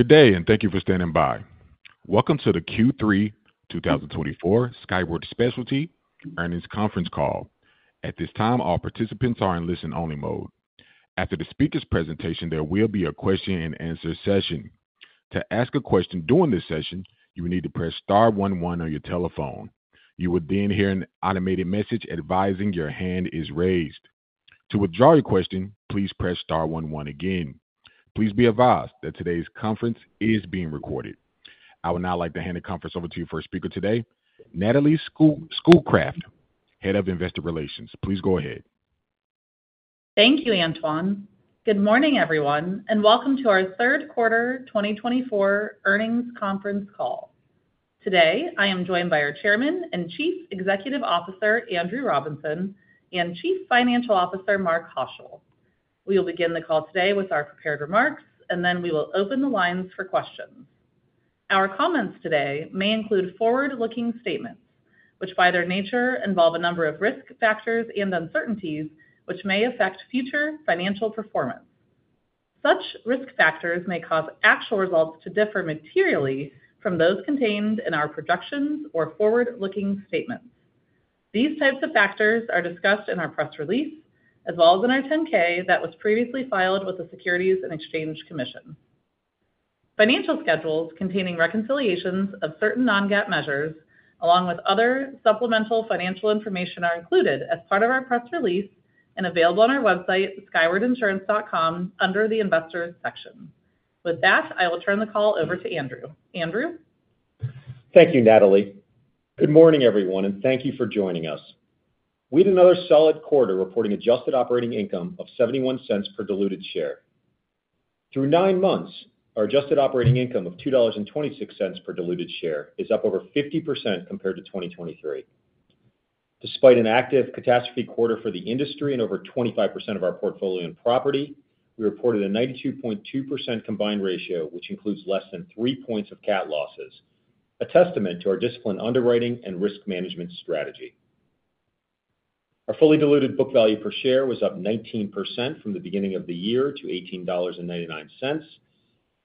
Good day, and thank you for standing by. Welcome to the Q3 2024 Skyward Specialty earnings conference call. At this time, all participants are in listen-only mode. After the speaker's presentation, there will be a question-and-answer session. To ask a question during this session, you will need to press star one one on your telephone. You will then hear an automated message advising your hand is raised. To withdraw your question, please press star one one again. Please be advised that today's conference is being recorded. I would now like to hand the conference over to your first speaker today, Natalie Schoolcraft, Head of Investor Relations. Please go ahead. Thank you, Antoine. Good morning, everyone, and welcome to our third quarter 2024 earnings conference call. Today, I am joined by our Chairman and Chief Executive Officer, Andrew Robinson, and Chief Financial Officer, Mark Haushill. We will begin the call today with our prepared remarks, and then we will open the lines for questions. Our comments today may include forward-looking statements, which by their nature involve a number of risk factors and uncertainties which may affect future financial performance. Such risk factors may cause actual results to differ materially from those contained in our projections or forward-looking statements. These types of factors are discussed in our press release, as well as in our 10-K that was previously filed with the Securities and Exchange Commission. Financial schedules containing reconciliations of certain non-GAAP measures, along with other supplemental financial information, are included as part of our press release and available on our website, skywardinsurance.com, under the Investors section. With that, I will turn the call over to Andrew. Andrew. Thank you, Natalie. Good morning, everyone, and thank you for joining us. We had another solid quarter reporting adjusted operating income of $0.71 per diluted share. Through nine months, our adjusted operating income of $2.26 per diluted share is up over 50% compared to 2023. Despite an active catastrophe quarter for the industry and over 25% of our portfolio in property, we reported a 92.2% combined ratio, which includes less than three points of CAT losses, a testament to our disciplined underwriting and risk management strategy. Our fully diluted book value per share was up 19% from the beginning of the year to $18.99,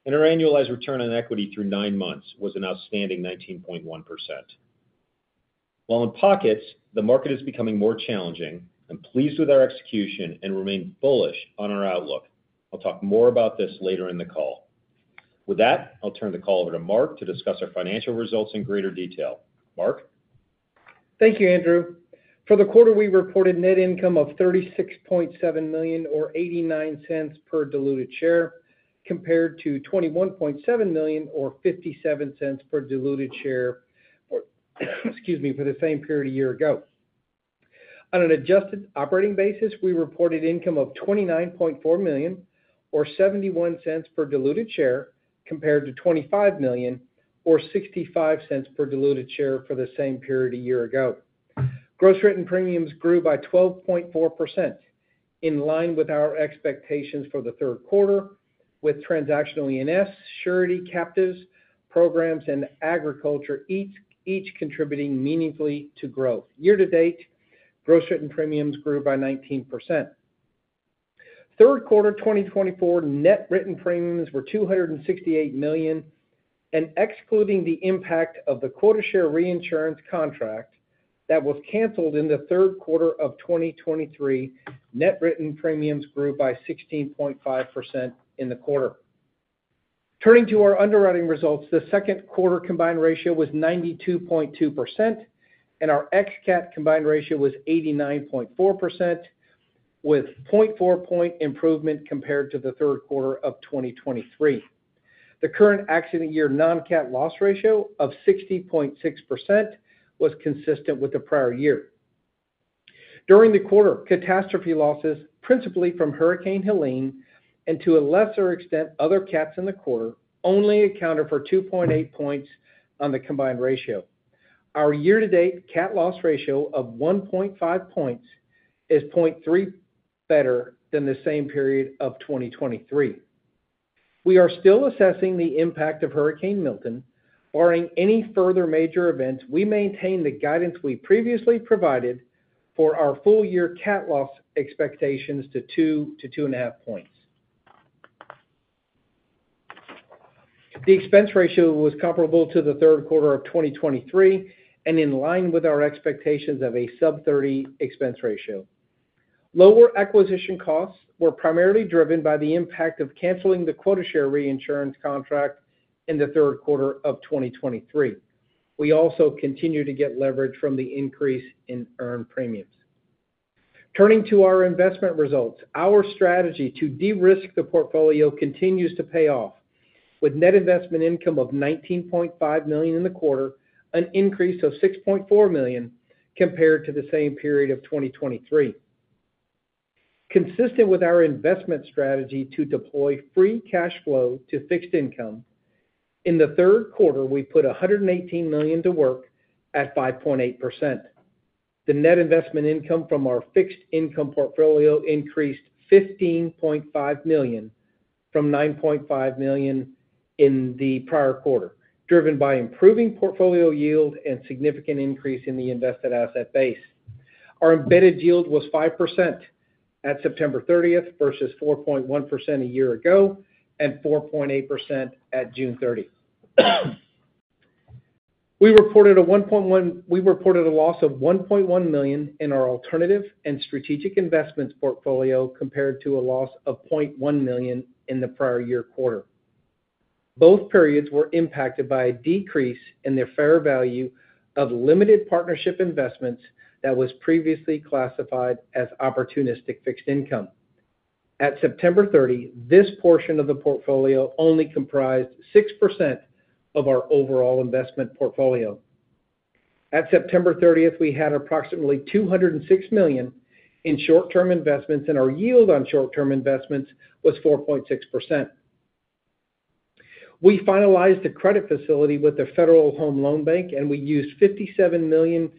and our annualized return on equity through nine months was an outstanding 19.1%. While in pockets, the market is becoming more challenging. I'm pleased with our execution and remain bullish on our outlook. I'll talk more about this later in the call. With that, I'll turn the call over to Mark to discuss our financial results in greater detail. Mark. Thank you, Andrew. For the quarter, we reported net income of $36.7 million, or $0.89 per diluted share, compared to $21.7 million, or $0.57 per diluted share for the same period a year ago. On an adjusted operating basis, we reported income of $29.4 million, or $0.71 per diluted share, compared to $25 million, or $0.65 per diluted share for the same period a year ago. Gross written premiums grew by 12.4%, in line with our expectations for the third quarter, with Transactional E&S, Surety, Captives, Programs, and Agriculture each contributing meaningfully to growth. Year-to-date, gross written premiums grew by 19%. Third quarter 2024 net written premiums were $268 million, and excluding the impact of the quota share reinsurance contract that was canceled in the third quarter of 2023, net written premiums grew by 16.5% in the quarter. Turning to our underwriting results, the second quarter combined ratio was 92.2%, and our ex-CAT combined ratio was 89.4%, with a 0.4-point improvement compared to the third quarter of 2023. The current accident year non-CAT loss ratio of 60.6% was consistent with the prior year. During the quarter, catastrophe losses, principally from Hurricane Helene, and to a lesser extent, other CATs in the quarter, only accounted for 2.8 points on the combined ratio. Our year-to-date CAT loss ratio of 1.5 points is 0.3 better than the same period of 2023. We are still assessing the impact of Hurricane Milton, barring any further major events. We maintain the guidance we previously provided for our full-year CAT loss expectations to 2-2.5 points. The expense ratio was comparable to the third quarter of 2023 and in line with our expectations of a sub-30 expense ratio. Lower acquisition costs were primarily driven by the impact of canceling the quota share reinsurance contract in the third quarter of 2023. We also continue to get leverage from the increase in earned premiums. Turning to our investment results, our strategy to de-risk the portfolio continues to pay off, with net investment income of $19.5 million in the quarter, an increase of $6.4 million compared to the same period of 2023. Consistent with our investment strategy to deploy free cash flow to fixed income, in the third quarter, we put $118 million to work at 5.8%. The net investment income from our fixed income portfolio increased $15.5 million from $9.5 million in the prior quarter, driven by improving portfolio yield and significant increase in the invested asset base. Our embedded yield was 5% at September 30th versus 4.1% a year ago and 4.8% at June 30th. We reported a loss of $1.1 million in our alternative and strategic investments portfolio compared to a loss of $0.1 million in the prior year quarter. Both periods were impacted by a decrease in the fair value of limited partnership investments that was previously classified as opportunistic fixed income. At September 30, this portion of the portfolio only comprised 6% of our overall investment portfolio. At September 30th, we had approximately $206 million in short-term investments, and our yield on short-term investments was 4.6%. We finalized the credit facility with the Federal Home Loan Bank, and we used $57 million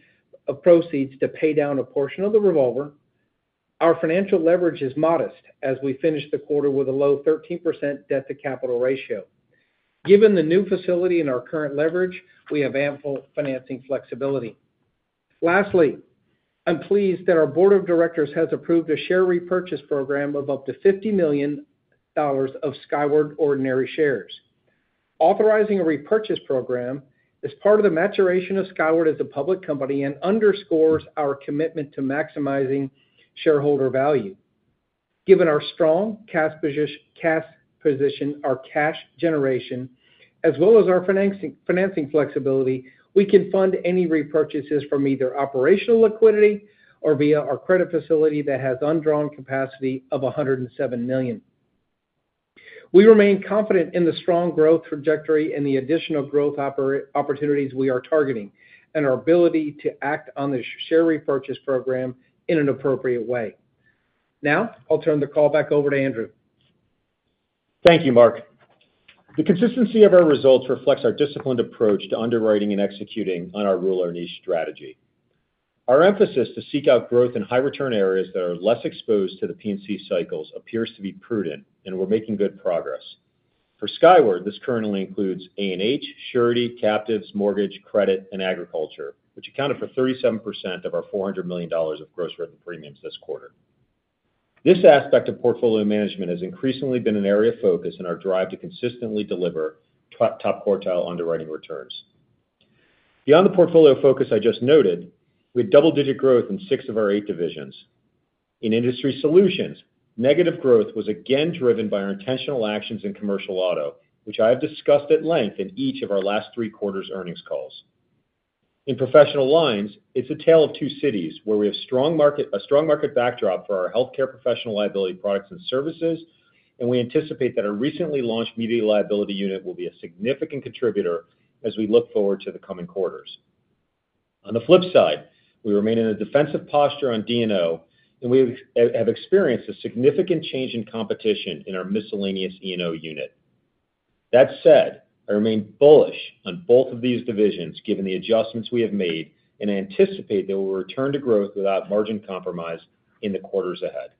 of proceeds to pay down a portion of the revolver. Our financial leverage is modest as we finished the quarter with a low 13% debt-to-capital ratio. Given the new facility and our current leverage, we have ample financing flexibility. Lastly, I'm pleased that our Board of Directors has approved a share repurchase program of up to $50 million of Skyward ordinary shares. Authorizing a repurchase program is part of the maturation of Skyward as a public company and underscores our commitment to maximizing shareholder value. Given our strong cash position, our cash generation, as well as our financing flexibility, we can fund any repurchases from either operational liquidity or via our credit facility that has undrawn capacity of $107 million. We remain confident in the strong growth trajectory and the additional growth opportunities we are targeting and our ability to act on the share repurchase program in an appropriate way. Now, I'll turn the call back over to Andrew. Thank you, Mark. The consistency of our results reflects our disciplined approach to underwriting and executing Rule Our Niche strategy. Our emphasis to seek out growth in high-return areas that are less exposed to the P&C cycles appears to be prudent, and we're making good progress. For Skyward, this currently includes A&H, Surety, Captives, Mortgage, Credit, and Agriculture, which accounted for 37% of our $400 million of gross written premiums this quarter. This aspect of portfolio management has increasingly been an area of focus in our drive to consistently deliver top quartile underwriting returns. Beyond the portfolio focus I just noted, we had double-digit growth in six of our eight divisions. In Industry Solutions, negative growth was again driven by our intentional actions in Commercial Auto, which I have discussed at length in each of our last three quarters' earnings calls. In Professional Lines, it's a tale of two cities where we have a strong market backdrop for our healthcare professional liability products and services, and we anticipate that our recently launched Media Liability unit will be a significant contributor as we look forward to the coming quarters. On the flip side, we remain in a defensive posture on D&O, and we have experienced a significant change in competition in our Miscellaneous E&O unit. That said, I remain bullish on both of these divisions given the adjustments we have made and anticipate that we will return to growth without margin compromise in the quarters ahead.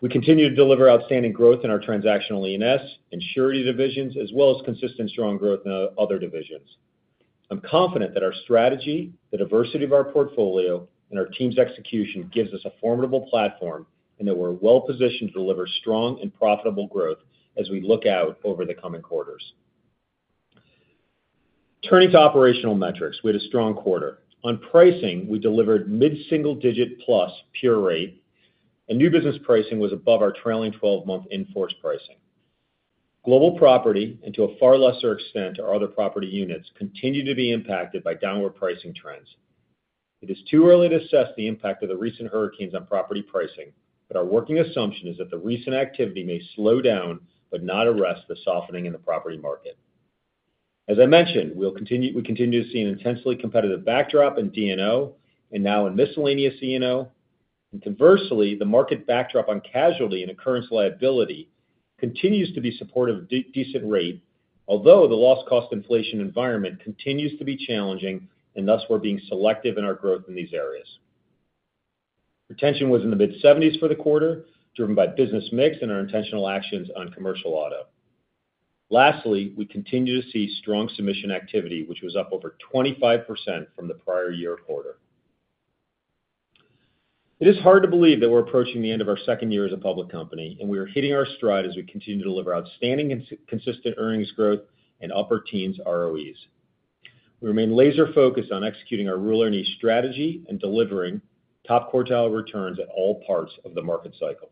We continue to deliver outstanding growth in our Transactional E&S and Surety divisions, as well as consistent strong growth in other divisions. I'm confident that our strategy, the diversity of our portfolio, and our team's execution gives us a formidable platform and that we're well-positioned to deliver strong and profitable growth as we look out over the coming quarters. Turning to operational metrics, we had a strong quarter. On pricing, we delivered mid-single-digit plus pure rate, and new business pricing was above our trailing 12-month in-force pricing. Global Property, and to a far lesser extent our other property units, continue to be impacted by downward pricing trends. It is too early to assess the impact of the recent hurricanes on property pricing, but our working assumption is that the recent activity may slow down but not arrest the softening in the property market. As I mentioned, we continue to see an intensely competitive backdrop in D&O and now in Miscellaneous E&O. Conversely, the market backdrop on casualty and occurrence liability continues to be supportive of decent rate, although the loss-cost inflation environment continues to be challenging, and thus we're being selective in our growth in these areas. Retention was in the mid-70s for the quarter, driven by business mix and our intentional actions on Commercial Auto. Lastly, we continue to see strong submission activity, which was up over 25% from the prior year quarter. It is hard to believe that we're approaching the end of our second year as a public company, and we are hitting our stride as we continue to deliver outstanding consistent earnings growth and upper teens ROEs. We remain laser-focused on executing our Rule Our Niche strategy and delivering top quartile returns at all parts of the market cycle.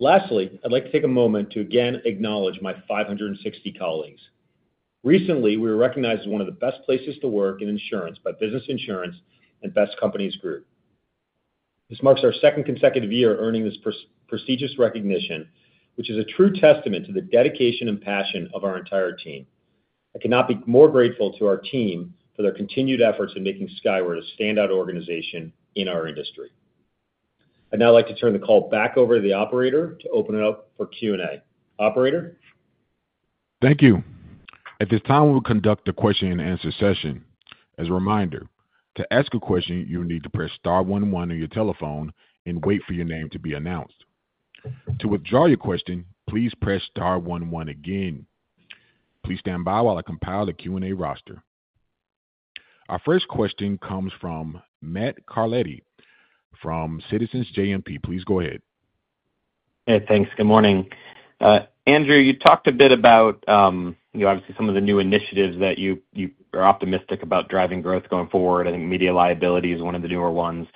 Lastly, I'd like to take a moment to again acknowledge my 560 colleagues. Recently, we were recognized as one of the Best Places to Work in Insurance by Business Insurance and Best Companies Group. This marks our second consecutive year earning this prestigious recognition, which is a true testament to the dedication and passion of our entire team. I cannot be more grateful to our team for their continued efforts in making Skyward a standout organization in our industry. I'd now like to turn the call back over to the operator to open it up for Q&A. Operator. Thank you. At this time, we will conduct a question-and-answer session. As a reminder, to ask a question, you will need to press star one one on your telephone and wait for your name to be announced. To withdraw your question, please press star one one again. Please stand by while I compile the Q&A roster. Our first question comes from Matt Carletti from Citizens JMP. Please go ahead. Hey, thanks. Good morning. Andrew, you talked a bit about, obviously, some of the new initiatives that you are optimistic about driving growth going forward. I think Media Liability is one of the newer ones.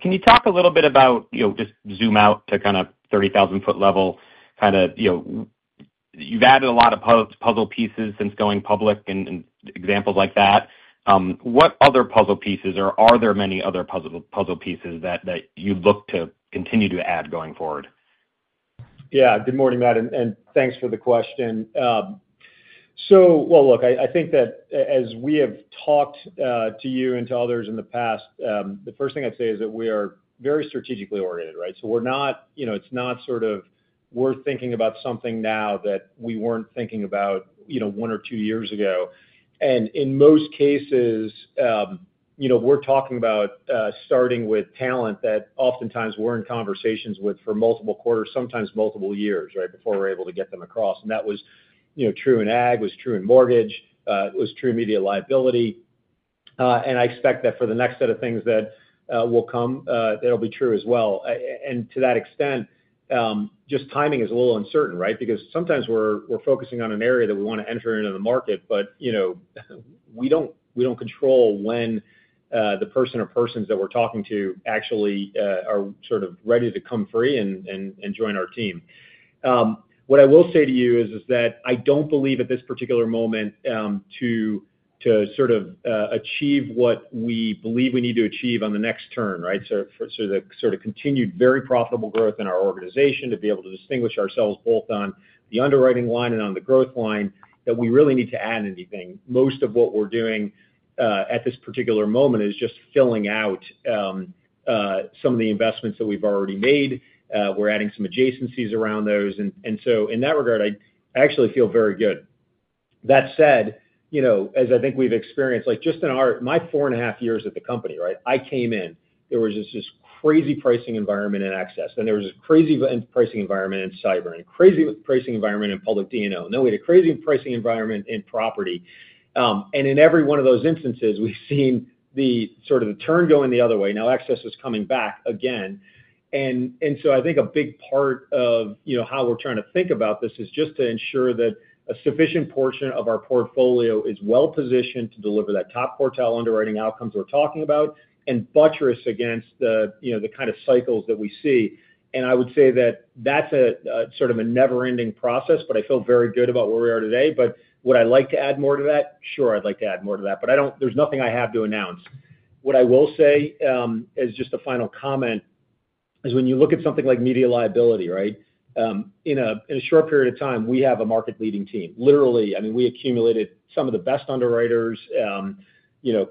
Can you talk a little bit about, just zoom out to kind of 30,000 ft level, kind of you've added a lot of puzzle pieces since going public and examples like that. What other puzzle pieces, or are there many other puzzle pieces that you look to continue to add going forward? Yeah. Good morning, Matt, and thanks for the question. So, well, look, I think that as we have talked to you and to others in the past, the first thing I'd say is that we are very strategically oriented, right? So it's not sort of we're thinking about something now that we weren't thinking about one or two years ago. And in most cases, we're talking about starting with talent that oftentimes we're in conversations with for multiple quarters, sometimes multiple years, right, before we're able to get them across. And that was true in ag, was true in mortgage, was true in Media Liability. And I expect that for the next set of things that will come, that'll be true as well. And to that extent, just timing is a little uncertain, right? Because sometimes we're focusing on an area that we want to enter into the market, but we don't control when the person or persons that we're talking to actually are sort of ready to come free and join our team. What I will say to you is that I don't believe at this particular moment to sort of achieve what we believe we need to achieve on the next turn, right? So the sort of continued very profitable growth in our organization to be able to distinguish ourselves both on the underwriting line and on the growth line, that we really need to add anything. Most of what we're doing at this particular moment is just filling out some of the investments that we've already made. We're adding some adjacencies around those. And so in that regard, I actually feel very good. That said, as I think we've experienced, just in my four and a half years at the company, right, I came in, there was this crazy pricing environment in excess. Then there was a crazy pricing environment in cyber and a crazy pricing environment in public D&O. And then we had a crazy pricing environment in property. And in every one of those instances, we've seen sort of the turn going the other way. Now excess is coming back again. And so I think a big part of how we're trying to think about this is just to ensure that a sufficient portion of our portfolio is well-positioned to deliver that top quartile underwriting outcomes we're talking about and buttress against the kind of cycles that we see. And I would say that that's sort of a never-ending process, but I feel very good about where we are today. But would I like to add more to that? Sure, I'd like to add more to that, but there's nothing I have to announce. What I will say as just a final comment is when you look at something like Media Liability, right, in a short period of time, we have a market-leading team. Literally, I mean, we accumulated some of the best underwriters,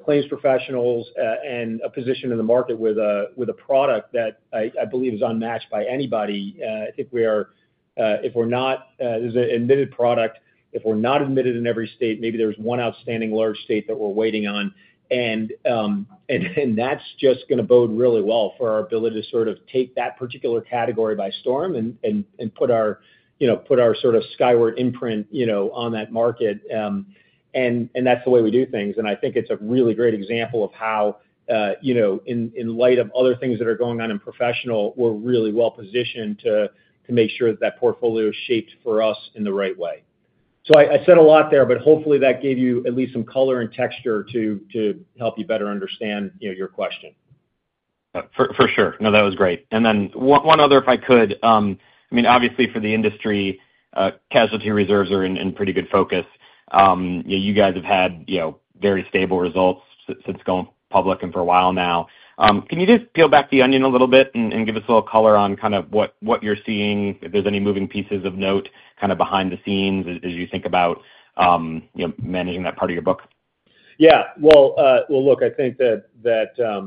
claims professionals, and a position in the market with a product that I believe is unmatched by anybody. I think we are, if we're not, there's an admitted product. If we're not admitted in every state, maybe there's one outstanding large state that we're waiting on. And that's just going to bode really well for our ability to sort of take that particular category by storm and put our sort of Skyward imprint on that market. And that's the way we do things. And I think it's a really great example of how, in light of other things that are going on in professional, we're really well-positioned to make sure that that portfolio is shaped for us in the right way. So I said a lot there, but hopefully that gave you at least some color and texture to help you better understand your question. For sure. No, that was great. And then one other, if I could, I mean, obviously for the industry, casualty reserves are in pretty good focus. You guys have had very stable results since going public and for a while now. Can you just peel back the onion a little bit and give us a little color on kind of what you're seeing, if there's any moving pieces of note kind of behind the scenes as you think about managing that part of your book? Yeah. Well, look, I think that the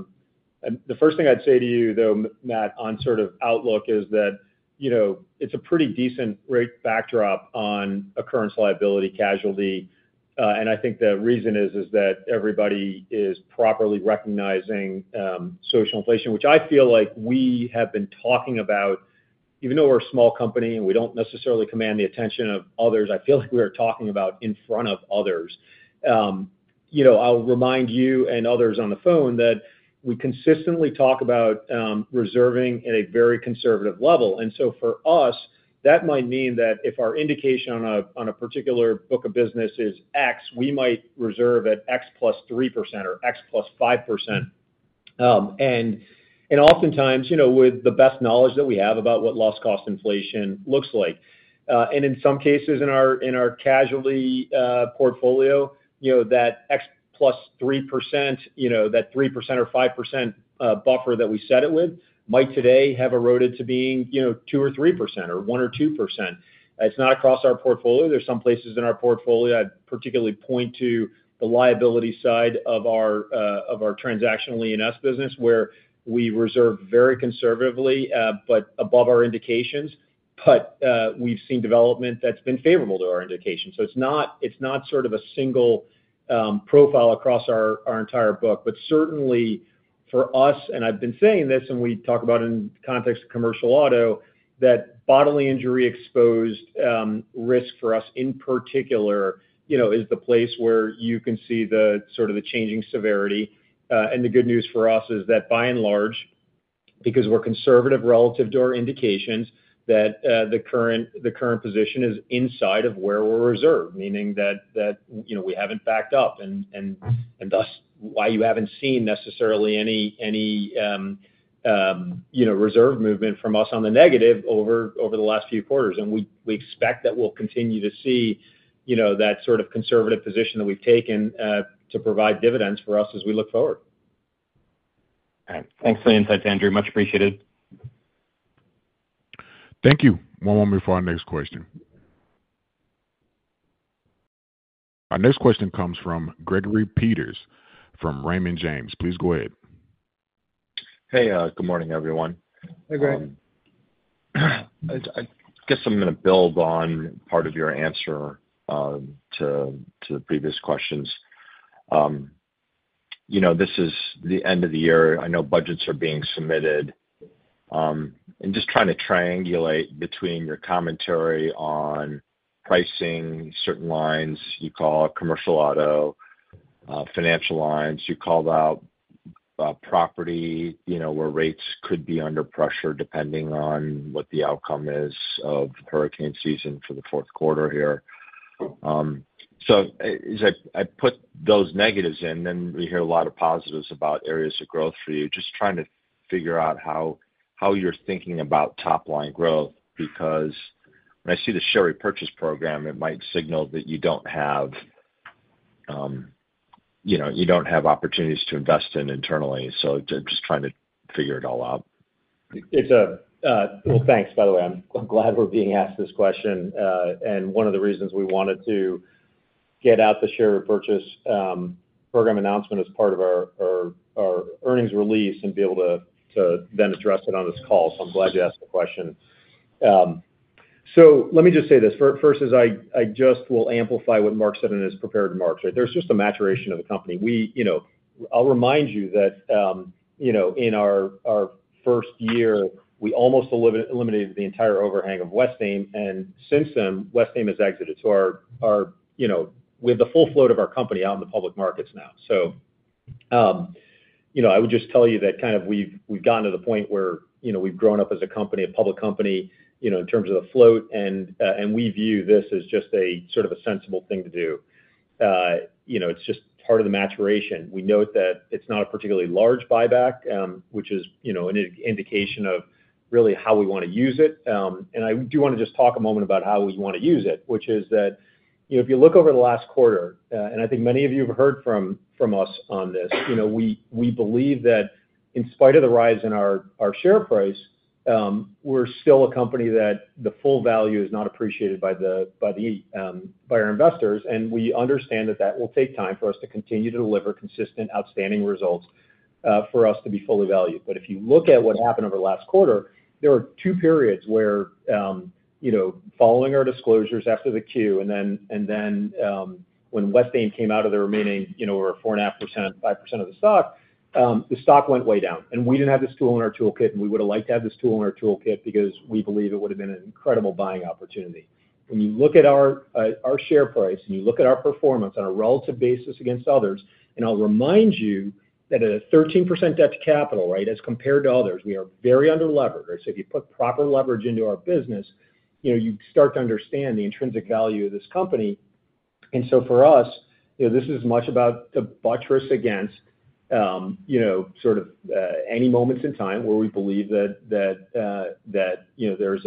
first thing I'd say to you, though, Matt, on sort of outlook is that it's a pretty decent backdrop on occurrence liability casualty. And I think the reason is that everybody is properly recognizing social inflation, which I feel like we have been talking about, even though we're a small company and we don't necessarily command the attention of others. I feel like we are talking about in front of others. I'll remind you and others on the phone that we consistently talk about reserving at a very conservative level. And so for us, that might mean that if our indication on a particular book of business is X, we might reserve at X plus 3% or X plus 5%. And oftentimes, with the best knowledge that we have about what loss-cost inflation looks like. In some cases in our casualty portfolio, that X plus 3%, that 3% or 5% buffer that we set it with might today have eroded to being 2% or 3% or 1% or 2%. It's not across our portfolio. There's some places in our portfolio. I particularly point to the liability side of our Transactional E&S business where we reserve very conservatively but above our indications. We've seen development that's been favorable to our indication. It's not sort of a single profile across our entire book, but certainly for us, and I've been saying this and we talk about it in the context of Commercial Auto, that bodily injury exposed risk for us in particular is the place where you can see sort of the changing severity. And the good news for us is that by and large, because we're conservative relative to our indications, that the current position is inside of where we're reserved, meaning that we haven't backed up and thus why you haven't seen necessarily any reserve movement from us on the negative over the last few quarters. And we expect that we'll continue to see that sort of conservative position that we've taken to provide dividends for us as we look forward. All right. Thanks for the insights, Andrew. Much appreciated. Thank you. One moment before our next question. Our next question comes from Gregory Peters from Raymond James. Please go ahead. Hey, good morning, everyone. Hey, Greg. I guess I'm going to build on part of your answer to the previous questions. This is the end of the year. I know budgets are being submitted, and just trying to triangulate between your commentary on pricing, certain lines you call Commercial Auto, financial lines, you called out property where rates could be under pressure depending on what the outcome is of hurricane season for the fourth quarter here. So as I put those negatives in, then we hear a lot of positives about areas of growth for you. Just trying to figure out how you're thinking about top-line growth because when I see the share repurchase program, it might signal that you don't have opportunities to invest in internally. So just trying to figure it all out. Thanks. By the way, I'm glad we're being asked this question. One of the reasons we wanted to get out the share repurchase program announcement as part of our earnings release and be able to then address it on this call. I'm glad you asked the question. Let me just say this. First, as I just will amplify what Mark said in his prepared remarks, right? There's just a maturation of the company. I'll remind you that in our first year, we almost eliminated the entire overhang of Westaim. Since then, Westaim has exited. We have the full float of our company out in the public markets now. I would just tell you that kind of we've gotten to the point where we've grown up as a company, a public company, in terms of the float. We view this as just sort of a sensible thing to do. It's just part of the maturation. We note that it's not a particularly large buyback, which is an indication of really how we want to use it. I do want to just talk a moment about how we want to use it, which is that if you look over the last quarter, and I think many of you have heard from us on this, we believe that in spite of the rise in our share price, we're still a company that the full value is not appreciated by our investors. We understand that that will take time for us to continue to deliver consistent outstanding results for us to be fully valued. But if you look at what happened over the last quarter, there were two periods where following our disclosures after the Q, and then when Westaim came out of the remaining over 4.5%, 5% of the stock, the stock went way down. And we didn't have this tool in our toolkit, and we would have liked to have this tool in our toolkit because we believe it would have been an incredible buying opportunity. When you look at our share price and you look at our performance on a relative basis against others, and I'll remind you that at a 13% debt to capital, right, as compared to others, we are very under-levered. So if you put proper leverage into our business, you start to understand the intrinsic value of this company. And so for us, this is much about to buttress against sort of any moments in time where we believe that there's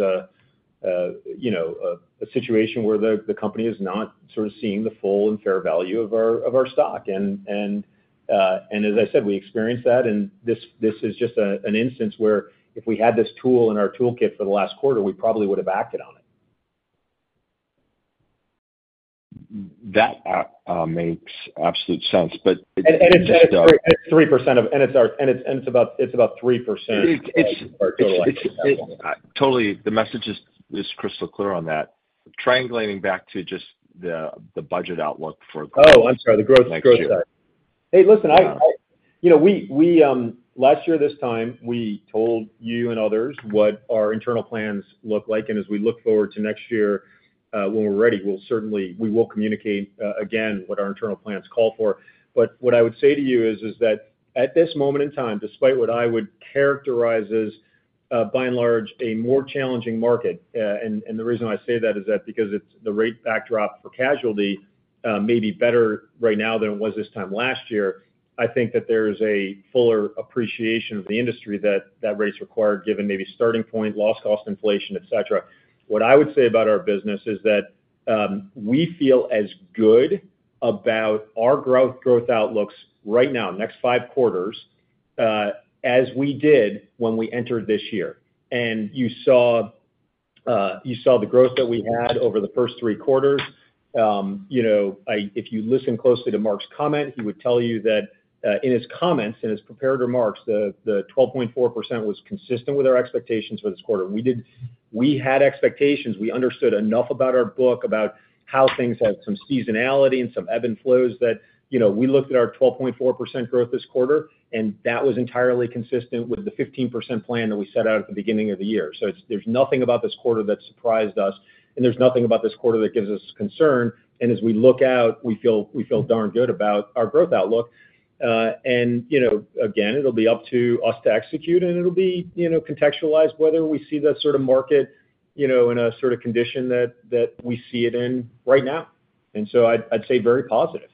a situation where the company is not sort of seeing the full and fair value of our stock. And as I said, we experienced that. And this is just an instance where if we had this tool in our toolkit for the last quarter, we probably would have acted on it. That makes absolute sense, but it's just. It's about 3% of our total asset. It's totally. The message is crystal clear on that. Triangulating back to just the budget outlook for. Oh, I'm sorry. The growth side. Hey, listen, last year this time, we told you and others what our internal plans look like, and as we look forward to next year, when we're ready, we will communicate again what our internal plans call for. But what I would say to you is that at this moment in time, despite what I would characterize as by and large a more challenging market, and the reason I say that is that because the rate backdrop for casualty may be better right now than it was this time last year, I think that there is a fuller appreciation of the industry that rates required given maybe starting point, loss-cost inflation, etc. What I would say about our business is that we feel as good about our growth outlooks right now, next five quarters, as we did when we entered this year. You saw the growth that we had over the first three quarters. If you listen closely to Mark's comment, he would tell you that in his comments, in his prepared remarks, the 12.4% was consistent with our expectations for this quarter. We had expectations. We understood enough about our book about how things have some seasonality and some ebb and flows that we looked at our 12.4% growth this quarter, and that was entirely consistent with the 15% plan that we set out at the beginning of the year. There's nothing about this quarter that surprised us, and there's nothing about this quarter that gives us concern. As we look out, we feel darn good about our growth outlook. And again, it'll be up to us to execute, and it'll be contextualized whether we see that sort of market in a sort of condition that we see it in right now. And so I'd say very positive.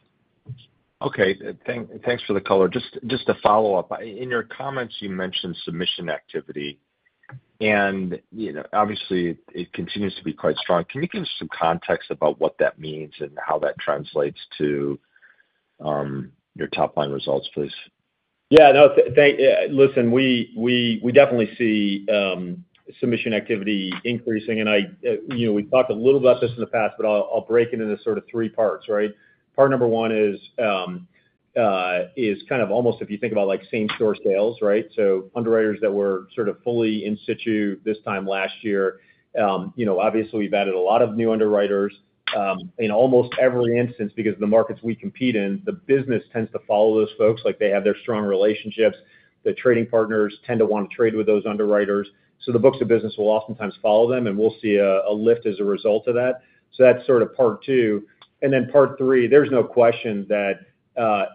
Okay. Thanks for the color. Just a follow-up. In your comments, you mentioned submission activity. And obviously, it continues to be quite strong. Can you give us some context about what that means and how that translates to your top-line results, please? Yeah. No, listen, we definitely see submission activity increasing. And we've talked a little about this in the past, but I'll break it into sort of three parts, right? Part number one is kind of almost if you think about same-store sales, right? So underwriters that were sort of fully in situ this time last year, obviously, we've added a lot of new underwriters. In almost every instance, because of the markets we compete in, the business tends to follow those folks. They have their strong relationships. The trading partners tend to want to trade with those underwriters. So the books of business will oftentimes follow them, and we'll see a lift as a result of that. So that's sort of part two. And then part three, there's no question that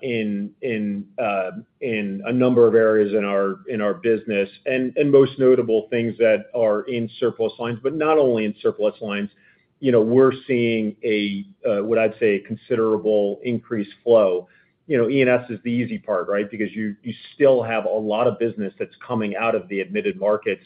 in a number of areas in our business, and most notable things that are in surplus lines, but not only in surplus lines, we're seeing what I'd say a considerable increased flow. E&S is the easy part, right? Because you still have a lot of business that's coming out of the admitted markets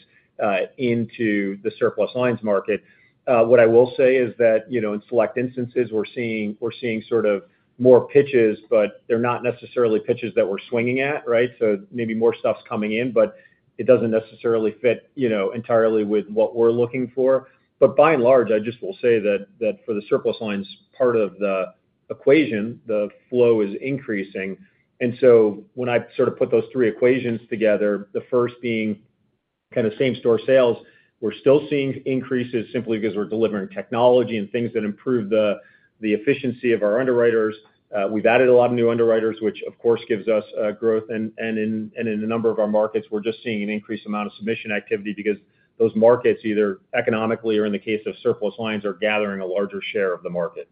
into the surplus lines market. What I will say is that in select instances, we're seeing sort of more pitches, but they're not necessarily pitches that we're swinging at, right? So maybe more stuff's coming in, but it doesn't necessarily fit entirely with what we're looking for. But by and large, I just will say that for the surplus lines part of the equation, the flow is increasing. And so when I sort of put those three equations together, the first being kind of same-store sales, we're still seeing increases simply because we're delivering technology and things that improve the efficiency of our underwriters. We've added a lot of new underwriters, which of course gives us growth, and in a number of our markets, we're just seeing an increased amount of submission activity because those markets either economically or in the case of surplus lines are gathering a larger share of the market.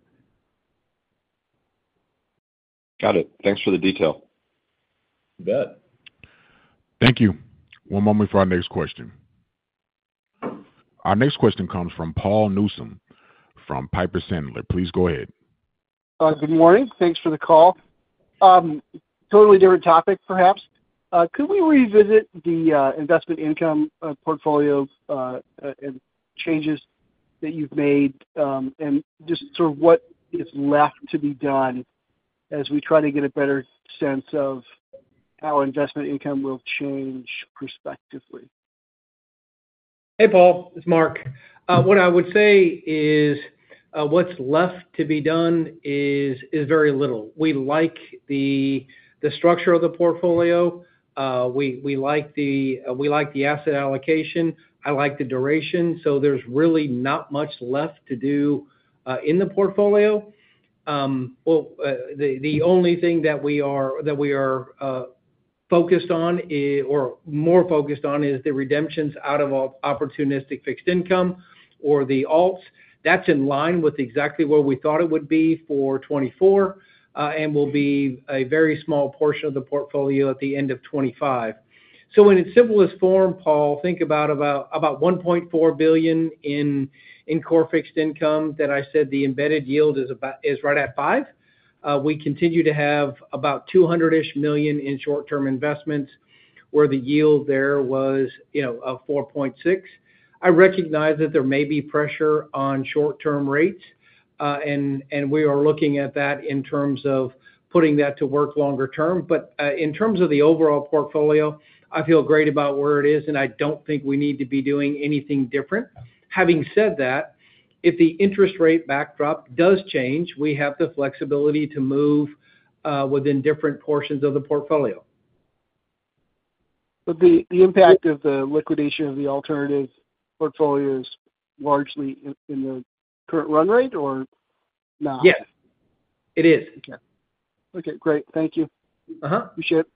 Got it. Thanks for the detail. You bet. Thank you. One moment before our next question. Our next question comes from Paul Newsome from Piper Sandler. Please go ahead. Good morning. Thanks for the call. Totally different topic, perhaps. Could we revisit the investment income portfolio and changes that you've made and just sort of what is left to be done as we try to get a better sense of how investment income will change prospectively? Hey, Paul. It's Mark. What I would say is what's left to be done is very little. We like the structure of the portfolio. We like the asset allocation. I like the duration. There's really not much left to do in the portfolio. The only thing that we are focused on or more focused on is the redemptions out of opportunistic fixed income or the alts. That's in line with exactly where we thought it would be for 2024 and will be a very small portion of the portfolio at the end of 2025. In its simplest form, Paul, think about $1.4 billion in core fixed income that I said the embedded yield is right at 5%. We continue to have about $200-ish million in short-term investments where the yield there was a 4.6%. I recognize that there may be pressure on short-term rates, and we are looking at that in terms of putting that to work longer term. But in terms of the overall portfolio, I feel great about where it is, and I don't think we need to be doing anything different. Having said that, if the interest rate backdrop does change, we have the flexibility to move within different portions of the portfolio. But the impact of the liquidation of the alternative portfolio is largely in the current run rate or not? Yes. It is. Okay. Great. Thank you. Appreciate it.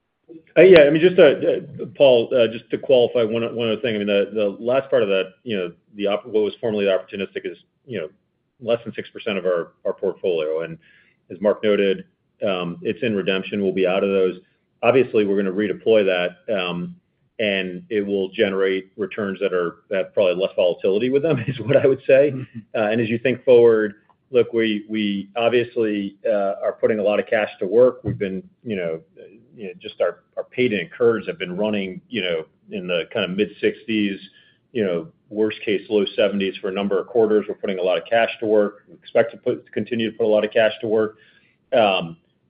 Yeah. I mean, just Paul, just to qualify one other thing. I mean, the last part of that, what was formerly opportunistic is less than 6% of our portfolio. And as Mark noted, it's in redemption. We'll be out of those. Obviously, we're going to redeploy that, and it will generate returns that have probably less volatility with them, is what I would say. And as you think forward, look, we obviously are putting a lot of cash to work. We've been just our paid and incurred have been running in the kind of mid-60s, worst case low 70s for a number of quarters. We're putting a lot of cash to work. We expect to continue to put a lot of cash to work.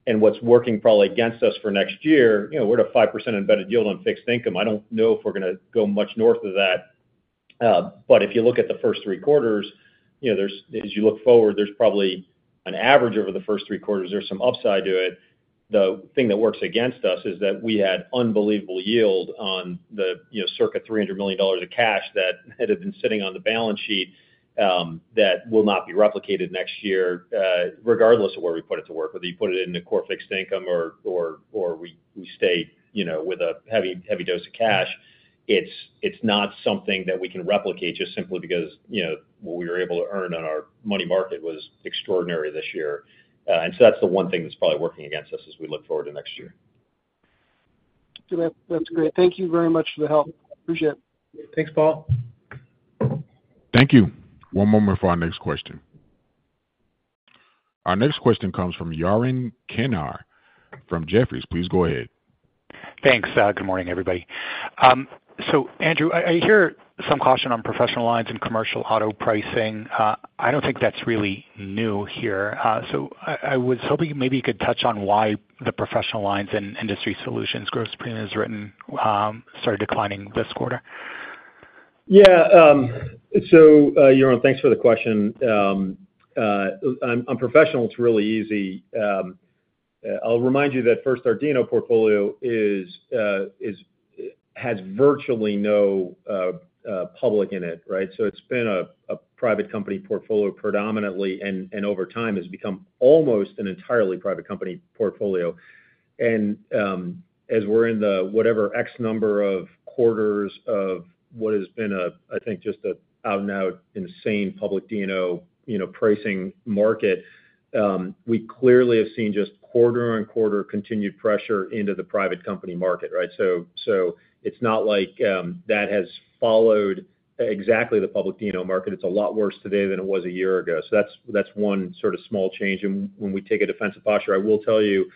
And what's working probably against us for next year, we're at a 5% embedded yield on fixed income. I don't know if we're going to go much north of that but if you look at the first three quarters, as you look forward, there's probably an average over the first three quarters. There's some upside to it. The thing that works against us is that we had unbelievable yield on the circa $300 million of cash that had been sitting on the balance sheet that will not be replicated next year regardless of where we put it to work, whether you put it into core fixed income or we stay with a heavy dose of cash. It's not something that we can replicate just simply because what we were able to earn on our money market was extraordinary this year and so that's the one thing that's probably working against us as we look forward to next year. That's great. Thank you very much for the help. Appreciate it. Thanks, Paul. Thank you. One moment for our next question. Our next question comes from Yaron Kinar from Jefferies. Please go ahead. Thanks. Good morning, everybody. So Andrew, I hear some caution on Professional Lines and Commercial Auto pricing. I don't think that's really new here. So I was hoping maybe you could touch on why the Professional Lines and Industry Solutions gross premiums started declining this quarter? Yeah. So Yaron, thanks for the question. On professional, it's really easy. I'll remind you that first, our D&O portfolio has virtually no public in it, right? So it's been a private company portfolio predominantly and over time has become almost an entirely private company portfolio. And as we're in the whatever X number of quarters of what has been, I think, just an out-and-out insane public D&O pricing market, we clearly have seen just quarter on quarter continued pressure into the private company market, right? So it's not like that has followed exactly the public D&O market. It's a lot worse today than it was a year ago. So that's one sort of small change. And when we take a defensive posture, I will tell you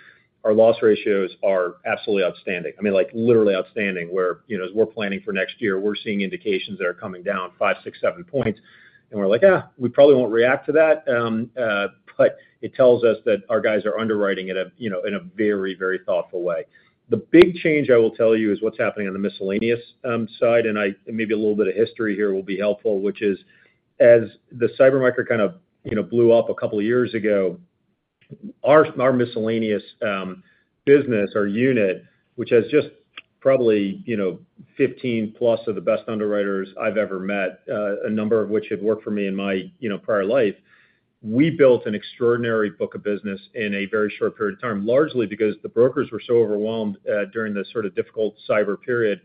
our loss ratios are absolutely outstanding. I mean, literally outstanding, whereas we're planning for next year, we're seeing indications that are coming down five, six, seven points. And we're like, we probably won't react to that. But it tells us that our guys are underwriting in a very, very thoughtful way. The big change I will tell you is what's happening on the miscellaneous side. Maybe a little bit of history here will be helpful, which is as the cyber market kind of blew up a couple of years ago, our miscellaneous business, our unit, which has just probably 15+ of the best underwriters I've ever met, a number of which had worked for me in my prior life, we built an extraordinary book of business in a very short period of time, largely because the brokers were so overwhelmed during the sort of difficult cyber period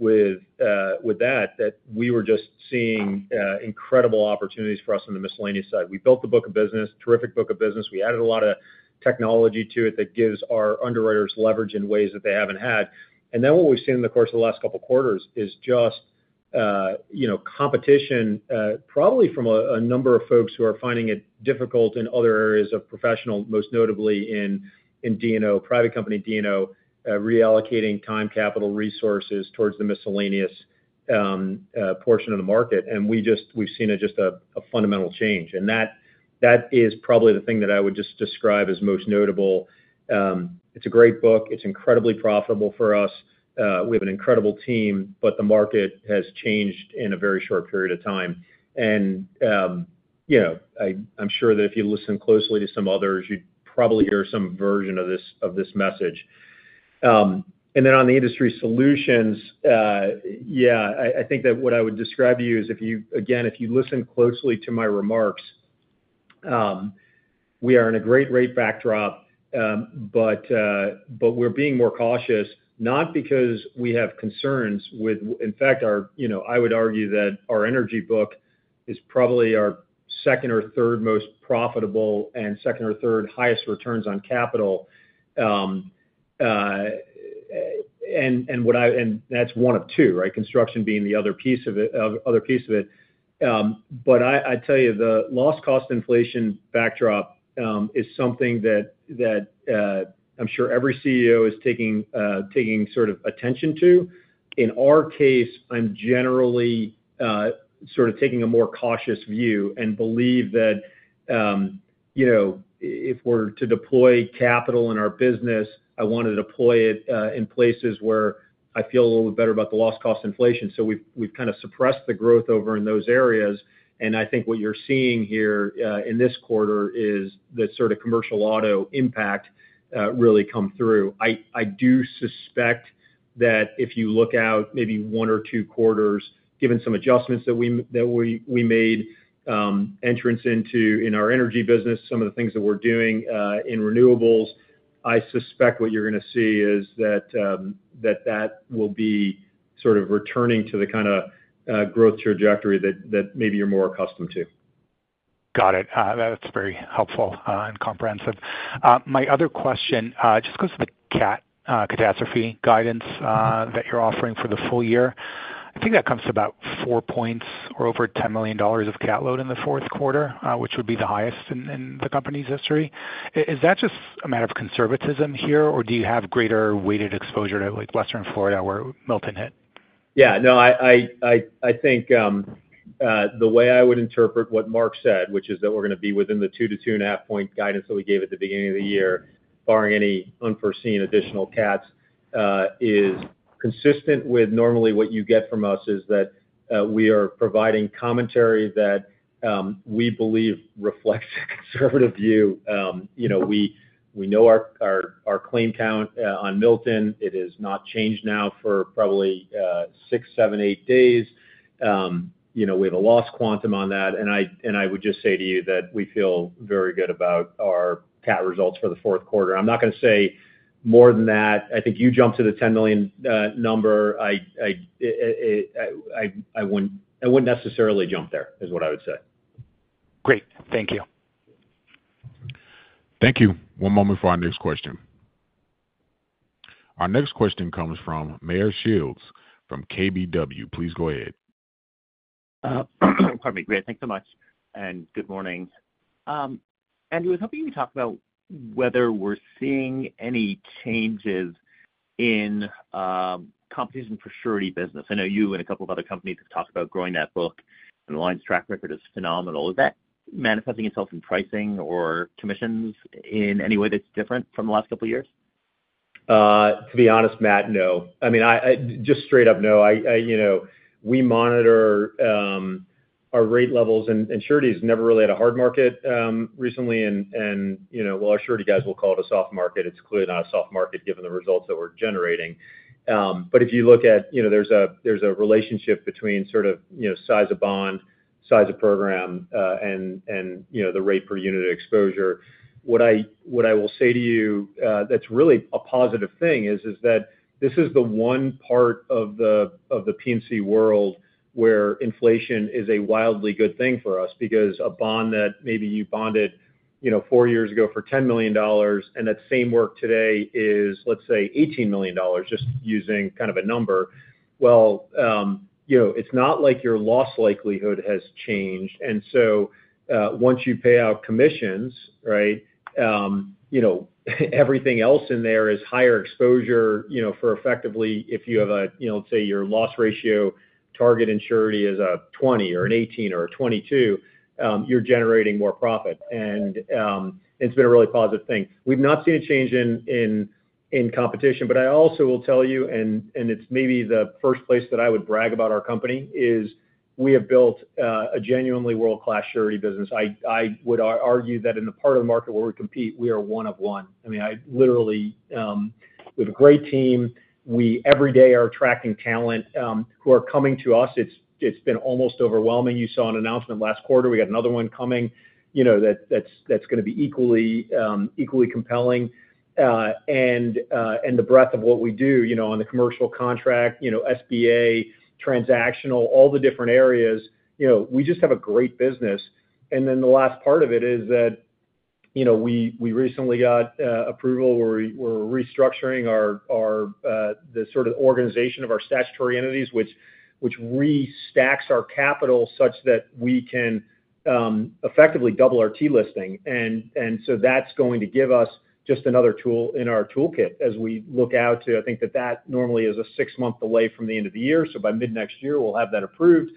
with that, that we were just seeing incredible opportunities for us on the miscellaneous side. We built the book of business, terrific book of business. We added a lot of technology to it that gives our underwriters leverage in ways that they haven't had. And then what we've seen in the course of the last couple of quarters is just competition, probably from a number of folks who are finding it difficult in other areas of professional, most notably in D&O, private company D&O, reallocating time, capital, resources towards the miscellaneous portion of the market. And we've seen just a fundamental change. And that is probably the thing that I would just describe as most notable. It's a great book. It's incredibly profitable for us. We have an incredible team, but the market has changed in a very short period of time. And I'm sure that if you listen closely to some others, you'd probably hear some version of this message. And then on the Industry Solutions, yeah, I think that what I would describe to you is, again, if you listen closely to my remarks, we are in a great rate backdrop, but we're being more cautious, not because we have concerns with. In fact, I would argue that our Energy book is probably our second or third most profitable and second or third highest returns on capital. And that's one of two, right? Construction being the other piece of it. But I tell you, the loss-cost inflation backdrop is something that I'm sure every CEO is paying attention to. In our case, I'm generally sort of taking a more cautious view and believe that if we're to deploy capital in our business, I want to deploy it in places where I feel a little bit better about the loss-cost inflation. So we've kind of suppressed the growth over in those areas. And I think what you're seeing here in this quarter is the sort of Commercial Auto impact really come through. I do suspect that if you look out maybe one or two quarters, given some adjustments that we made an entrance into in our energy business, some of the things that we're doing in renewables, I suspect what you're going to see is that that will be sort of returning to the kind of growth trajectory that maybe you're more accustomed to. Got it. That's very helpful and comprehensive. My other question just goes to the CAT catastrophe guidance that you're offering for the full-year. I think that comes to about four points or over $10 million of CAT load in the fourth quarter, which would be the highest in the company's history. Is that just a matter of conservatism here, or do you have greater weighted exposure to Western Florida where Milton hit? Yeah. No, I think the way I would interpret what Mark said, which is that we're going to be within the two to 2.5-point guidance that we gave at the beginning of the year, barring any unforeseen additional CATs, is consistent with normally what you get from us is that we are providing commentary that we believe reflects a conservative view. We know our claim count on Milton. It has not changed now for probably six, seven, eight days. We have a loss quantum on that. And I would just say to you that we feel very good about our CAT results for the fourth quarter. I'm not going to say more than that. I think you jumped to the 10 million number. I wouldn't necessarily jump there is what I would say. Great. Thank you. Thank you. One moment for our next question. Our next question comes from Meyer Shields from KBW. Please go ahead. Pardon me. Great. Thanks so much and good morning. Andrew, I was hoping you could talk about whether we're seeing any changes in competition for Surety business. I know you and a couple of other companies have talked about growing that book and the line's track record is phenomenal. Is that manifesting itself in pricing or commissions in any way that's different from the last couple of years? To be honest, Meyer, no. I mean, just straight up, no. We monitor our rate levels. And Surety has never really had a hard market recently. And while our Surety guys will call it a soft market, it's clearly not a soft market given the results that we're generating. But if you look at, there's a relationship between sort of size of bond, size of program, and the rate per unit of exposure. What I will say to you, that's really a positive thing is that this is the one part of the P&C world where inflation is a wildly good thing for us because a bond that maybe you bonded four years ago for $10 million and that same work today is, let's say, $18 million, just using kind of a number. Well, it's not like your loss likelihood has changed. And so once you pay out commissions, right, everything else in there is higher exposure for effectively if you have a, let's say, your loss ratio target in Surety is a 20% or an 18% or a 22%, you're generating more profit. And it's been a really positive thing. We've not seen a change in competition. But I also will tell you, and it's maybe the first place that I would brag about our company, is we have built a genuinely world-class Surety business. I would argue that in the part of the market where we compete, we are one of one. I mean, literally, we have a great team. Every day are attracting talent who are coming to us. It's been almost overwhelming. You saw an announcement last quarter. We got another one coming that's going to be equally compelling. And the breadth of what we do on the commercial contract, SBA, transactional, all the different areas, we just have a great business. The last part of it is that we recently got approval where we're restructuring the sort of organization of our statutory entities, which restacks our capital such that we can effectively double our T-Listing. That's going to give us just another tool in our toolkit as we look out to. I think that normally is a six-month delay from the end of the year. By mid-next year, we'll have that approved.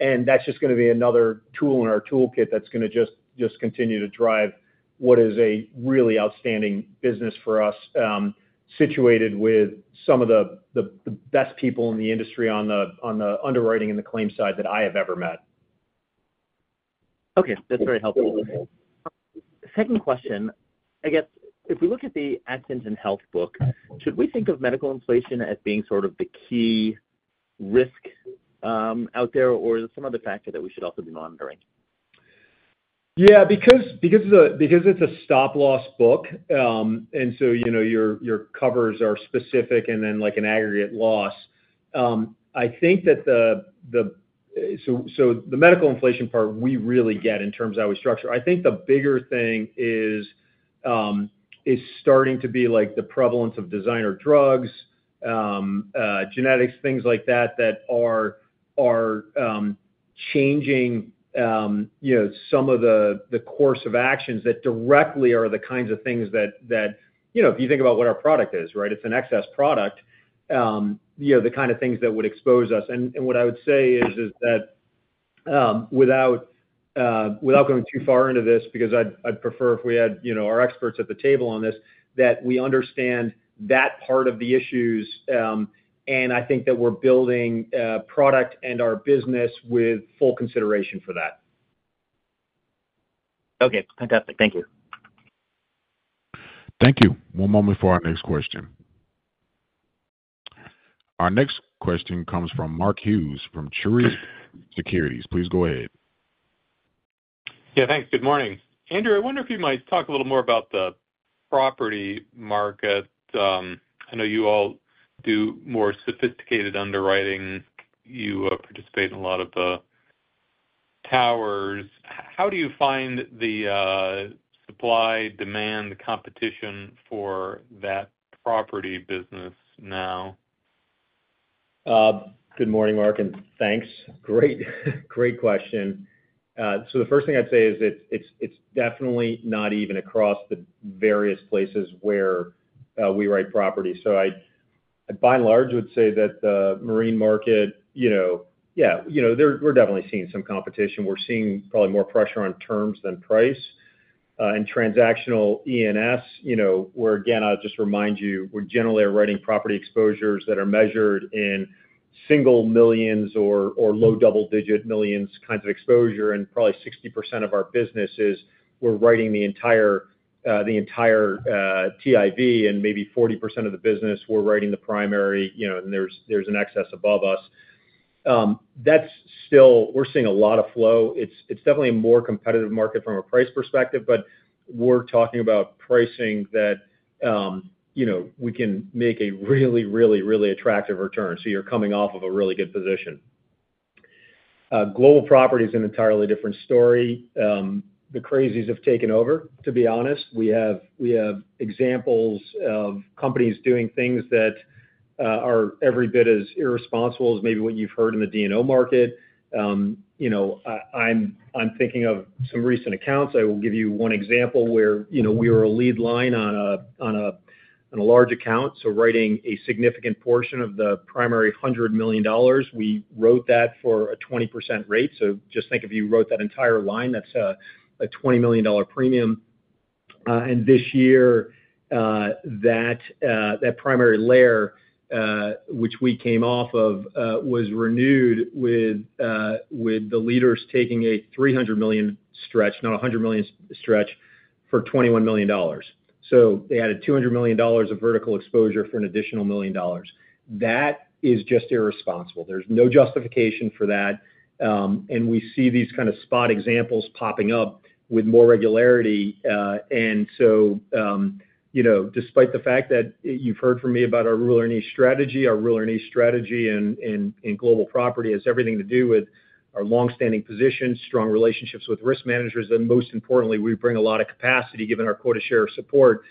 That's just going to be another tool in our toolkit that's going to just continue to drive what is a really outstanding business for us situated with some of the best people in the industry on the underwriting and the claim side that I have ever met. Okay. That's very helpful. Second question, I guess, if we look at the Accident & Health book, should we think of medical inflation as being sort of the key risk out there, or is there some other factor that we should also be monitoring? Yeah. Because it's a stop-loss book, and so your covers are specific and then like an aggregate loss. I think that the medical inflation part we really get in terms of how we structure. I think the bigger thing is starting to be like the prevalence of designer drugs, genetics, things like that that are changing some of the course of actions that directly are the kinds of things that if you think about what our product is, right, it's an excess product, the kind of things that would expose us. And what I would say is that without going too far into this, because I'd prefer if we had our experts at the table on this, that we understand that part of the issues. And I think that we're building product and our business with full consideration for that. Okay. Fantastic. Thank you. Thank you. One moment for our next question. Our next question comes from Mark Hughes from Truist Securities. Please go ahead. Yeah. Thanks. Good morning. Andrew, I wonder if you might talk a little more about the property market. I know you all do more sophisticated underwriting. You participate in a lot of the towers. How do you find the supply, demand, the competition for that property business now? Good morning, Mark. And thanks. Great question. So the first thing I'd say is it's definitely not even across the various places where we write property. So I, by and large, would say that the marine market, yeah, we're definitely seeing some competition. We're seeing probably more pressure on terms than price. And Transactional E&S, where, again, I'll just remind you, we generally are writing property exposures that are measured in single millions or low double-digit millions kinds of exposure. And probably 60% of our business is we're writing the entire TIV, and maybe 40% of the business, we're writing the primary, and there's an excess above us. We're seeing a lot of flow. It's definitely a more competitive market from a price perspective, but we're talking about pricing that we can make a really, really, really attractive return. So you're coming off of a really good position. Global Property is an entirely different story. The crazies have taken over, to be honest. We have examples of companies doing things that are every bit as irresponsible as maybe what you've heard in the D&O market. I'm thinking of some recent accounts. I will give you one example where we were a lead line on a large account. So writing a significant portion of the primary $100 million, we wrote that for a 20% rate. So just think if you wrote that entire line, that's a $20 million premium. And this year, that primary layer, which we came off of, was renewed with the leaders taking a $300 million stretch, not $100 million stretch, for $21 million. So they added $200 million of vertical exposure for an additional $1 million. That is just irresponsible. There's no justification for that. And we see these kind of spot examples popping up with more regularity. And so despite the fact that you've heard from me about our Rule Our Niche strategy, our Rule Our Niche strategy in Global Property has everything to do with our long-standing position, strong relationships with risk managers, and most importantly, we bring a lot of capacity given our quota share of support.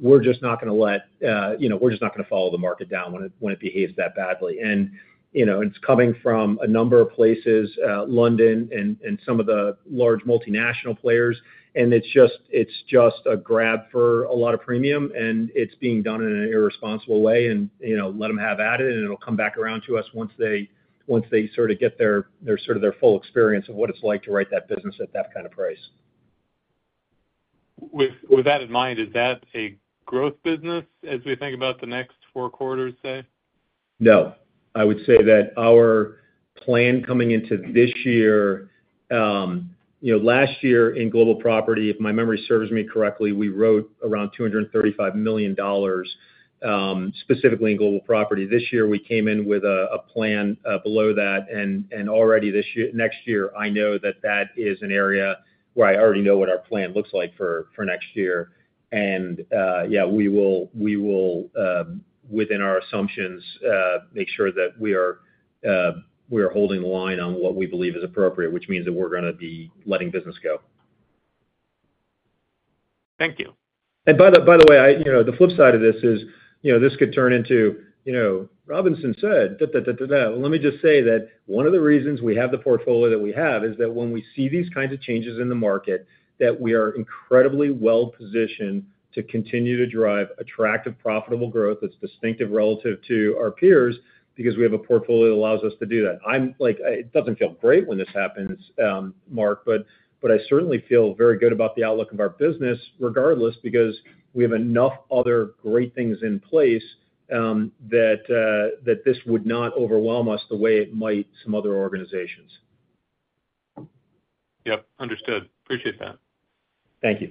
We're just not going to follow the market down when it behaves that badly. And it's coming from a number of places, London and some of the large multinational players. And it's just a grab for a lot of premium, and it's being done in an irresponsible way. Let them have at it, and it'll come back around to us once they sort of get sort of their full experience of what it's like to write that business at that kind of price. With that in mind, is that a growth business as we think about the next four quarters, say? No. I would say that our plan coming into this year last year in Global Property, if my memory serves me correctly, we wrote around $235 million specifically in Global Property. This year, we came in with a plan below that. And already next year, I know that that is an area where I already know what our plan looks like for next year. And yeah, we will, within our assumptions, make sure that we are holding the line on what we believe is appropriate, which means that we're going to be letting business go. Thank you. And by the way, the flip side of this is this could turn into, "Robinson said, da, da, da, da, da." Let me just say that one of the reasons we have the portfolio that we have is that when we see these kinds of changes in the market, that we are incredibly well-positioned to continue to drive attractive, profitable growth that's distinctive relative to our peers because we have a portfolio that allows us to do that. It doesn't feel great when this happens, Mark, but I certainly feel very good about the outlook of our business regardless because we have enough other great things in place that this would not overwhelm us the way it might some other organizations. Yep. Understood. Appreciate that. Thank you.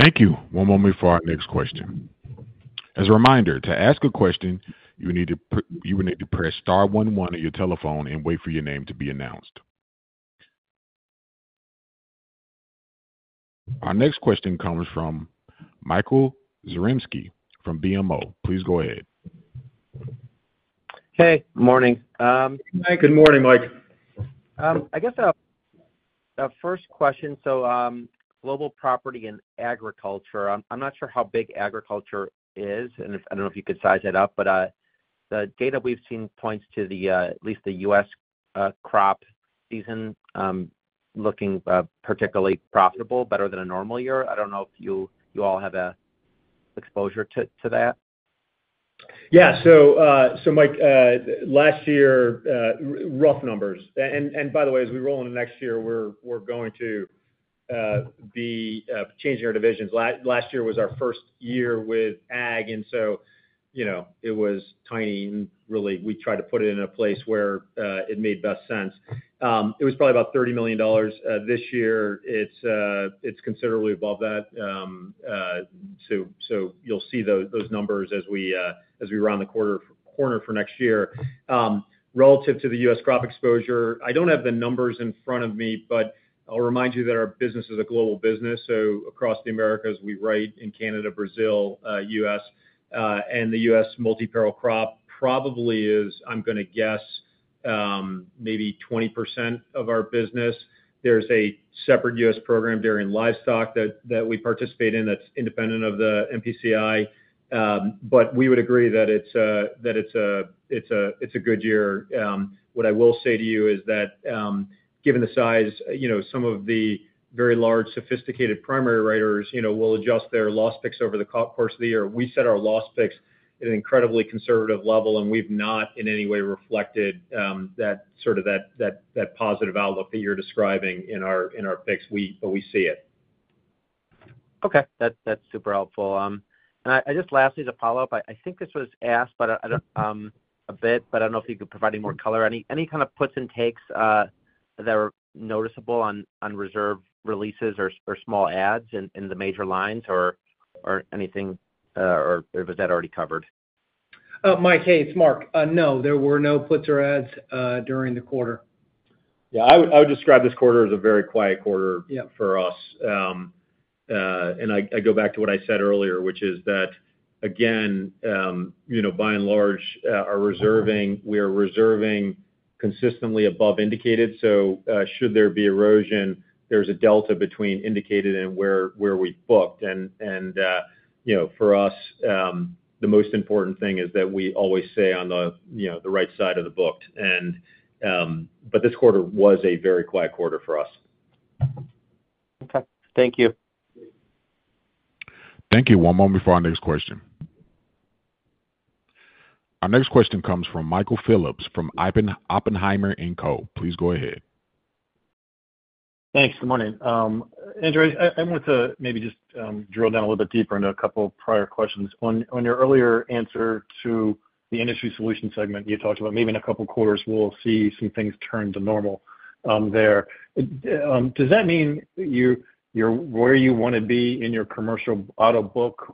Thank you. One moment for our next question. As a reminder, to ask a question, you would need to press star one one on your telephone and wait for your name to be announced. Our next question comes from Michael Zaremski from BMO. Please go ahead. Hey. Good morning. Good morning, Mike. I guess our first question, so Global Property and Agriculture. I'm not sure how big Agriculture is, and I don't know if you could size that up, but the data we've seen points to at least the U.S. crop season looking particularly profitable, better than a normal year. I don't know if you all have exposure to that. Yeah. So Mike, last year, rough numbers. And by the way, as we roll into next year, we're going to be changing our divisions. Last year was our first year with ag, and so it was tiny. And really, we tried to put it in a place where it made best sense. It was probably about $30 million this year. It's considerably above that. So you'll see those numbers as we round the corner for next year. Relative to the U.S. crop exposure, I don't have the numbers in front of me, but I'll remind you that our business is a global business. So across the Americas, we write in Canada, Brazil, U.S., and the U.S. Multi-Peril Crop probably is, I'm going to guess, maybe 20% of our business. There's a separate U.S. program, Dairy and Livestock, that we participate in that's independent of the MPCI. But we would agree that it's a good year. What I will say to you is that given the size, some of the very large sophisticated primary writers will adjust their loss picks over the course of the year. We set our loss picks at an incredibly conservative level, and we've not in any way reflected that sort of positive outlook that you're describing in our picks, but we see it. Okay. That's super helpful and just lastly, as a follow-up, I think this was asked a bit, but I don't know if you could provide any more color. Any kind of puts and takes that are noticeable on reserve releases or small adds in the major lines or anything, or was that already covered? Mike, hey, it's Mark. No, there were no puts or adds during the quarter. Yeah. I would describe this quarter as a very quiet quarter for us. And I go back to what I said earlier, which is that, again, by and large, we are reserving consistently above indicated. So should there be erosion, there's a delta between indicated and where we booked. And for us, the most important thing is that we always stay on the right side of the booked. But this quarter was a very quiet quarter for us. Okay. Thank you. Thank you. One moment for our next question. Our next question comes from Michael Phillips from Oppenheimer & Co. Please go ahead. Thanks. Good morning. Andrew, I wanted to maybe just drill down a little bit deeper into a couple of prior questions. On your earlier answer to the Industry Solutions segment, you talked about maybe in a couple of quarters, we'll see some things turn to normal there. Does that mean you're where you want to be in your Commercial Auto book,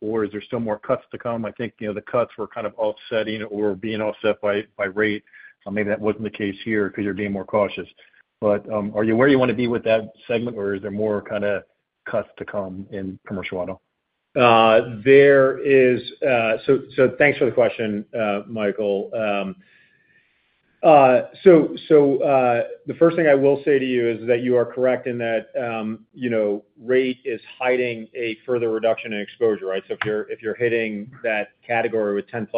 or is there still more cuts to come? I think the cuts were kind of offsetting or being offset by rate. Maybe that wasn't the case here because you're being more cautious. But are you where you want to be with that segment, or is there more kind of cuts to come in Commercial Auto? So thanks for the question, Michael. So the first thing I will say to you is that you are correct in that rate is hiding a further reduction in exposure, right? So if you're hitting that category with 10%+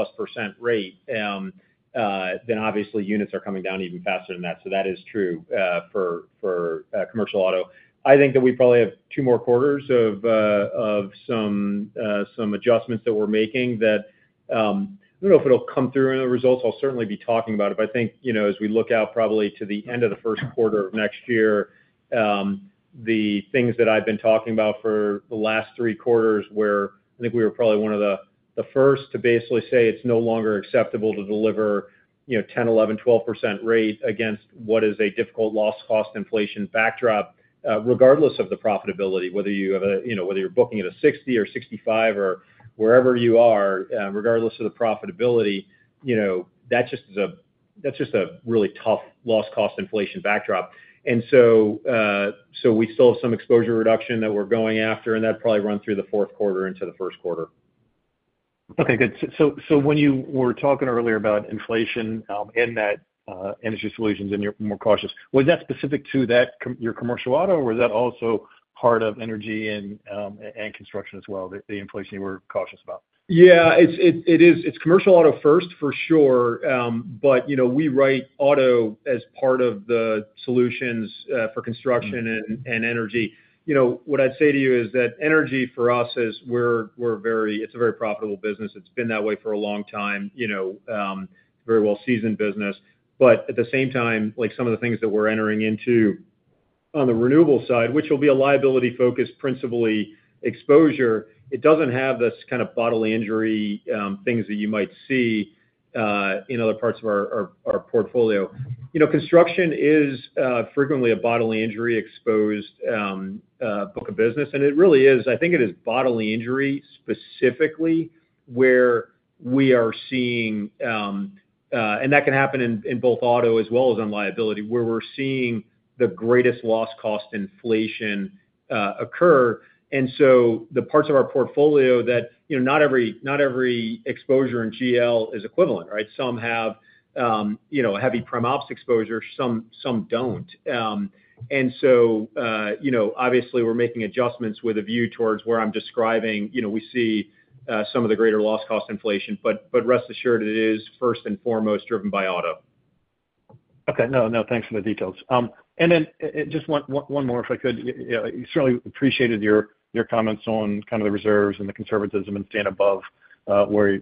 rate, then obviously units are coming down even faster than that. So that is true for Commercial Auto. I think that we probably have two more quarters of some adjustments that we're making that I don't know if it'll come through in the results. I'll certainly be talking about it. But I think as we look out probably to the end of the first quarter of next year, the things that I've been talking about for the last three quarters where I think we were probably one of the first to basically say it's no longer acceptable to deliver 10%, 11%, 12% rate against what is a difficult loss cost inflation backdrop, regardless of the profitability, whether you're booking at a 60 or 65 or wherever you are, regardless of the profitability, that's just a really tough loss cost inflation backdrop. And so we still have some exposure reduction that we're going after, and that'll probably run through the fourth quarter into the first quarter. Okay. Good. So when you were talking earlier about inflation and that Industry Solutions and you're more cautious, was that specific to your Commercial Auto, or was that also part of Energy and Construction as well, the inflation you were cautious about? Yeah. It's Commercial Auto first, for sure. But we write auto as part of the solutions for construction and energy. What I'd say to you is that energy for us is a very profitable business. It's been that way for a long time. It's a very well-seasoned business. But at the same time, some of the things that we're entering into on the renewable side, which will be a liability-focused principally exposure, it doesn't have this kind of bodily injury things that you might see in other parts of our portfolio. Construction is frequently a bodily injury-exposed book of business. And it really is. I think it is bodily injury specifically where we are seeing, and that can happen in both auto as well as on liability, where we're seeing the greatest loss cost inflation occur. The parts of our portfolio that not every exposure in GL is equivalent, right? Some have heavy Prem-Ops exposure. Some don't. Obviously, we're making adjustments with a view towards where I'm describing we see some of the greater loss-cost inflation. But rest assured, it is first and foremost driven by auto. Okay. No, no. Thanks for the details. And then just one more if I could. Certainly appreciated your comments on kind of the reserves and the conservatism and staying above where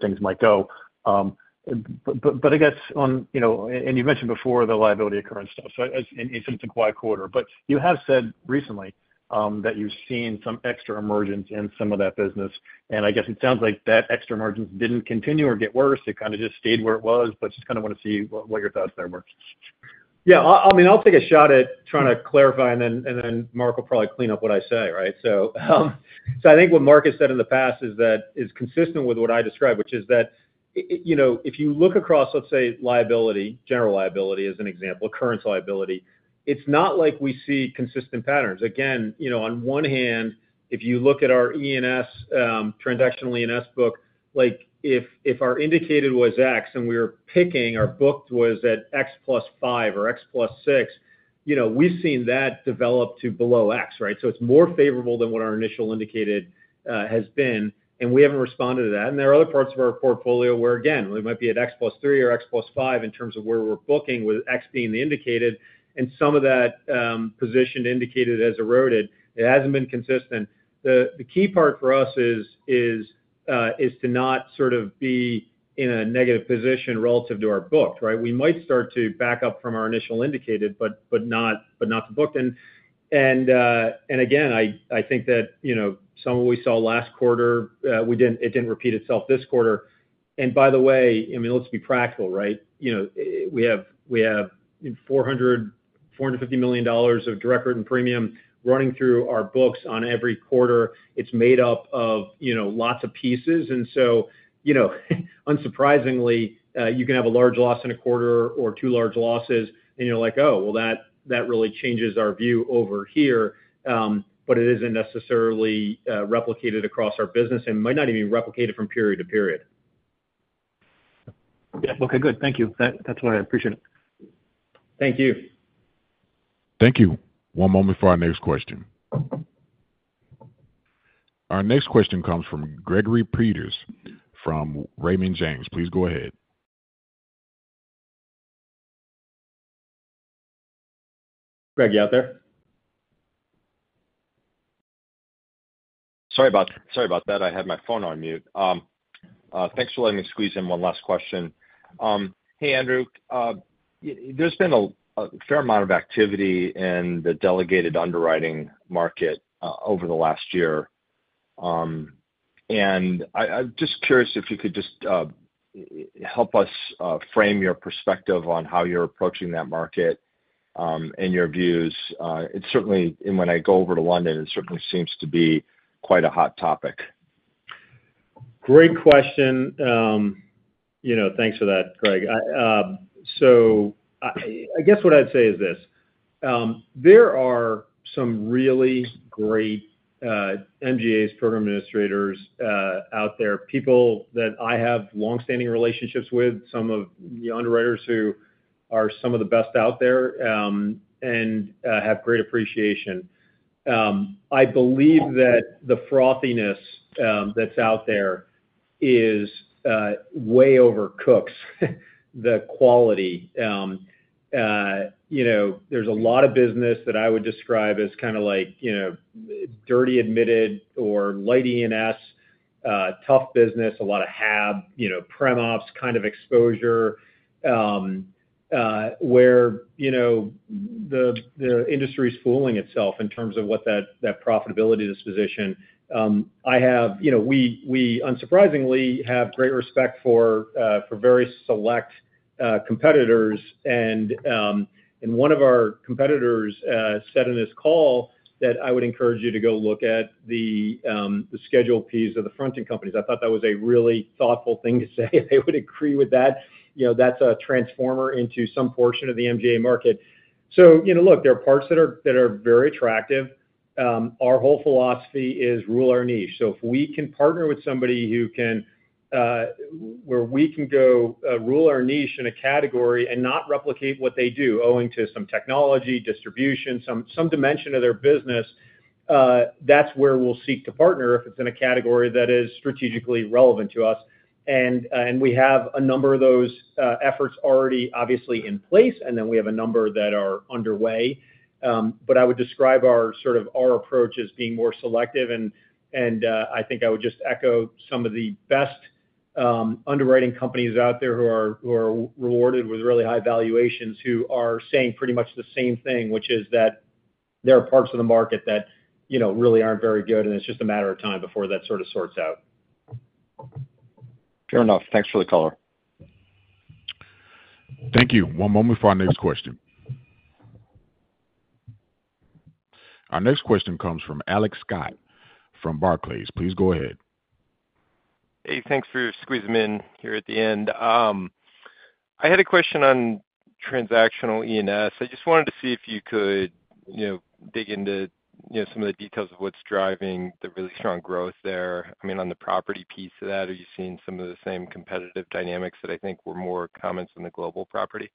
things might go. But I guess on, and you mentioned before the liability occurrence stuff. So it's a quiet quarter. But you have said recently that you've seen some extra emergence in some of that business. And I guess it sounds like that extra emergence didn't continue or get worse. It kind of just stayed where it was. But just kind of want to see what your thoughts there were. Yeah. I mean, I'll take a shot at trying to clarify, and then Mark will probably clean up what I say, right? So I think what Mark has said in the past is that it's consistent with what I described, which is that if you look across, let's say, liability, general liability as an example, occurrence liability, it's not like we see consistent patterns. Again, on one hand, if you look at our E&S, Transactional E&S book, if our indicated was X and we were picking, our booked was at X plus five or X plus six, we've seen that develop to below X, right? So it's more favorable than what our initial indicated has been. And we haven't responded to that. And there are other parts of our portfolio where, again, we might be at X plus 3 or X plus 5 in terms of where we're booking with X being the indicated. And some of that positioned indicated has eroded. It hasn't been consistent. The key part for us is to not sort of be in a negative position relative to our booked, right? We might start to back up from our initial indicated, but not the booked. And again, I think that some of what we saw last quarter, it didn't repeat itself this quarter. And by the way, I mean, let's be practical, right? We have $450 million of direct written premium running through our books on every quarter. It's made up of lots of pieces. And so unsurprisingly, you can have a large loss in a quarter or two large losses, and you're like, "Oh, well, that really changes our view over here." But it isn't necessarily replicated across our business and might not even be replicated from period to period. Yeah. Okay. Good. Thank you. That's why I appreciate it. Thank you. Thank you. One moment for our next question. Our next question comes from Gregory Peters from Raymond James. Please go ahead. Greg, you out there? Sorry about that. I had my phone on mute. Thanks for letting me squeeze in one last question. Hey, Andrew, there's been a fair amount of activity in the delegated underwriting market over the last year. And I'm just curious if you could just help us frame your perspective on how you're approaching that market and your views. And when I go over to London, it certainly seems to be quite a hot topic. Great question. Thanks for that, Greg. So I guess what I'd say is this: there are some really great MGAs, program administrators out there, people that I have long-standing relationships with, some of the underwriters who are some of the best out there and have great appreciation. I believe that the frothiness that's out there is way overcooks the quality. There's a lot of business that I would describe as kind of like dirty admitted or light E&S, tough business, a lot of hab, Prem-Ops kind of exposure where the industry is fooling itself in terms of what that profitability position. We, unsurprisingly, have great respect for very select competitors. And one of our competitors said in this call that I would encourage you to go look at the Schedule P of the fronting companies. I thought that was a really thoughtful thing to say. They would agree with that. That's a transformer into some portion of the MGA market. So look, there are parts that are very attractive. Our whole philosophy is Rule Our Niche. So if we can partner with somebody where we can go Rule Our Niche in a category and not replicate what they do owing to some technology, distribution, some dimension of their business, that's where we'll seek to partner if it's in a category that is strategically relevant to us. And we have a number of those efforts already obviously in place, and then we have a number that are underway. But I would describe our approach as being more selective. I think I would just echo some of the best underwriting companies out there who are rewarded with really high valuations who are saying pretty much the same thing, which is that there are parts of the market that really aren't very good, and it's just a matter of time before that sort of sorts out. Fair enough. Thanks for the color. Thank you. One moment for our next question. Our next question comes from Alex Scott from Barclays. Please go ahead. Hey, thanks for squeezing in here at the end. I had a question on Transactional E&S. I just wanted to see if you could dig into some of the details of what's driving the really strong growth there. I mean, on the property piece of that, are you seeing some of the same competitive dynamics that I think were more common in the Global Property?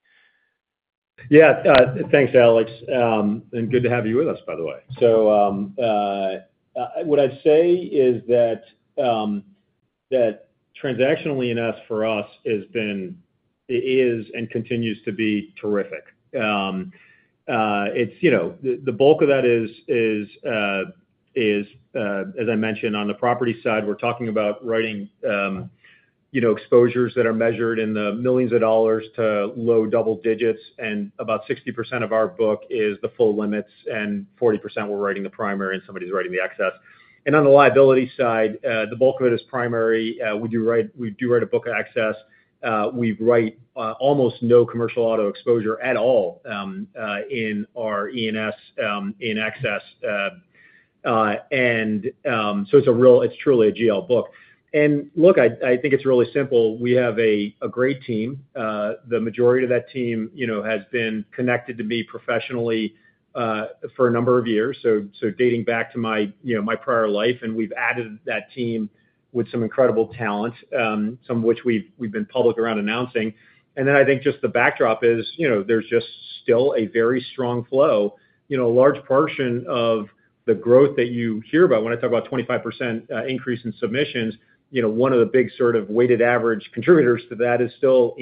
Yeah. Thanks, Alex. And good to have you with us, by the way. So what I'd say is that Transactional E&S for us has been and continues to be terrific. The bulk of that is, as I mentioned, on the property side, we're talking about writing exposures that are measured in the millions of dollars to low double digits. And about 60% of our book is the full limits, and 40% we're writing the primary, and somebody's writing the excess. And on the liability side, the bulk of it is primary. We do write a book of excess. We write almost no Commercial Auto exposure at all in our E&S in excess. And so it's truly a GL book. And look, I think it's really simple. We have a great team. The majority of that team has been connected to me professionally for a number of years, so dating back to my prior life. And we've added that team with some incredible talent, some of which we've been public around announcing. And then I think just the backdrop is there's just still a very strong flow. A large portion of the growth that you hear about when I talk about 25% increase in submissions, one of the big sort of weighted average contributors to that is still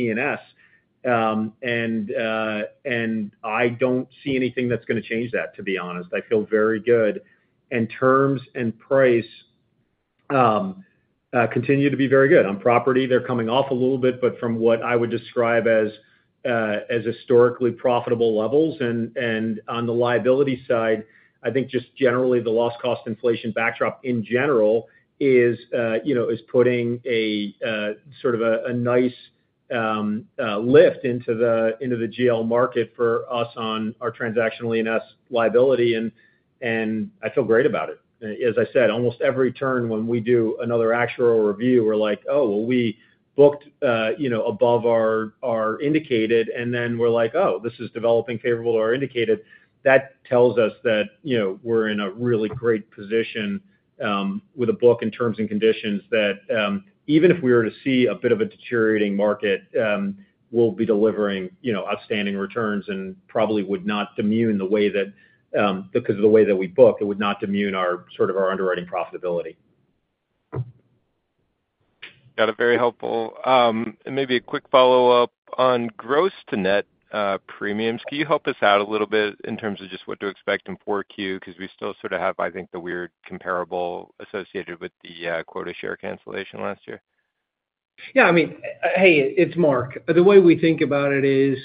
E&S. And I don't see anything that's going to change that, to be honest. I feel very good. And terms and price continue to be very good. On property, they're coming off a little bit, but from what I would describe as historically profitable levels. On the liability side, I think just generally the loss cost inflation backdrop in general is putting sort of a nice lift into the GL market for us on our Transactional E&S liability. As I said, almost every turn when we do another actuarial review, we're like, "Oh, well, we booked above our indicated." Then we're like, "Oh, this is developing favorable to our indicated." That tells us that we're in a really great position with a book in terms and conditions that even if we were to see a bit of a deteriorating market, we'll be delivering outstanding returns and probably would not diminish the way that, because of the way that we book, it would not diminish sort of our underwriting profitability. Got it. Very helpful. And maybe a quick follow-up on gross to net premiums. Can you help us out a little bit in terms of just what to expect in 4Q? Because we still sort of have, I think, the weird comparable associated with the quota share cancellation last year. Yeah. I mean, hey, it's Mark. The way we think about it is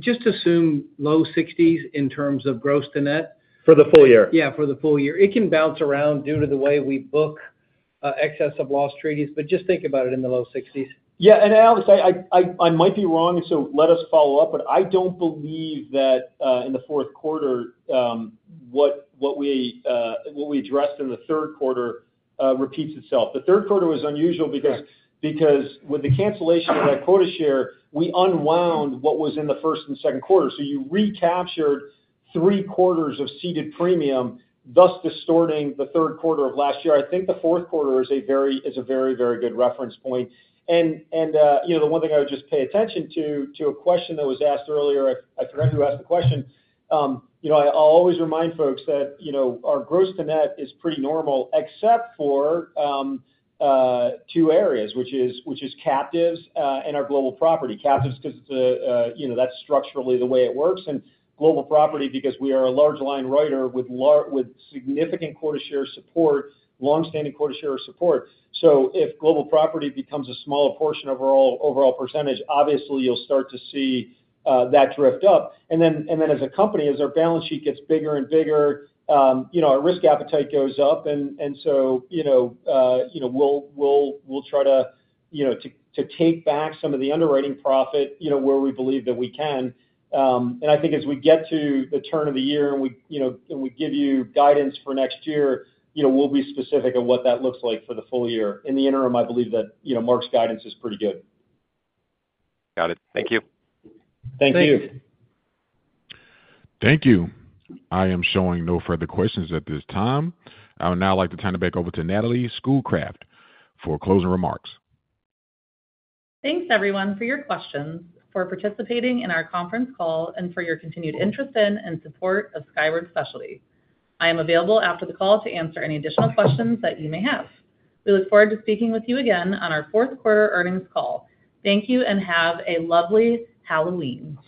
just assume low 60s in terms of gross to net. For the full-year. Yeah, for the full-year. It can bounce around due to the way we book excess of loss treaties, but just think about it in the low 60s. Yeah. And Alex, I might be wrong, so let us follow-up. But I don't believe that in the fourth quarter, what we addressed in the third quarter repeats itself. The third quarter was unusual because with the cancellation of that quota share, we unwound what was in the first and second quarter. So you recaptured three quarters of ceded premium, thus distorting the third quarter of last year. I think the fourth quarter is a very, very good reference point. And the one thing I would just pay attention to, to a question that was asked earlier, I forgot who asked the question. I'll always remind folks that our gross to net is pretty normal except for two areas, which is Captives and our Global Property. Captives, because that's structurally the way it works, and Global Property, because we are a large line rider with significant quota share support, long-standing quota share support, so if Global Property becomes a smaller portion of our overall percentage, obviously, you'll start to see that drift up. And then as a company, as our balance sheet gets bigger and bigger, our risk appetite goes up, and so we'll try to take back some of the underwriting profit where we believe that we can, and I think as we get to the turn of the year and we give you guidance for next year, we'll be specific on what that looks like for the full-year. In the interim, I believe that Mark's guidance is pretty good. Got it. Thank you. Thank you. Thank you. I am showing no further questions at this time. I would now like to turn it back over to Natalie Schoolcraft for closing remarks. Thanks, everyone, for your questions, for participating in our conference call, and for your continued interest in and support of Skyward Specialty. I am available after the call to answer any additional questions that you may have. We look forward to speaking with you again on our fourth quarter earnings call. Thank you, and have a lovely Halloween.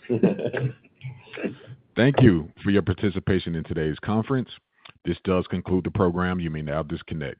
Thank you for your participation in today's conference. This does conclude the program. You may now disconnect.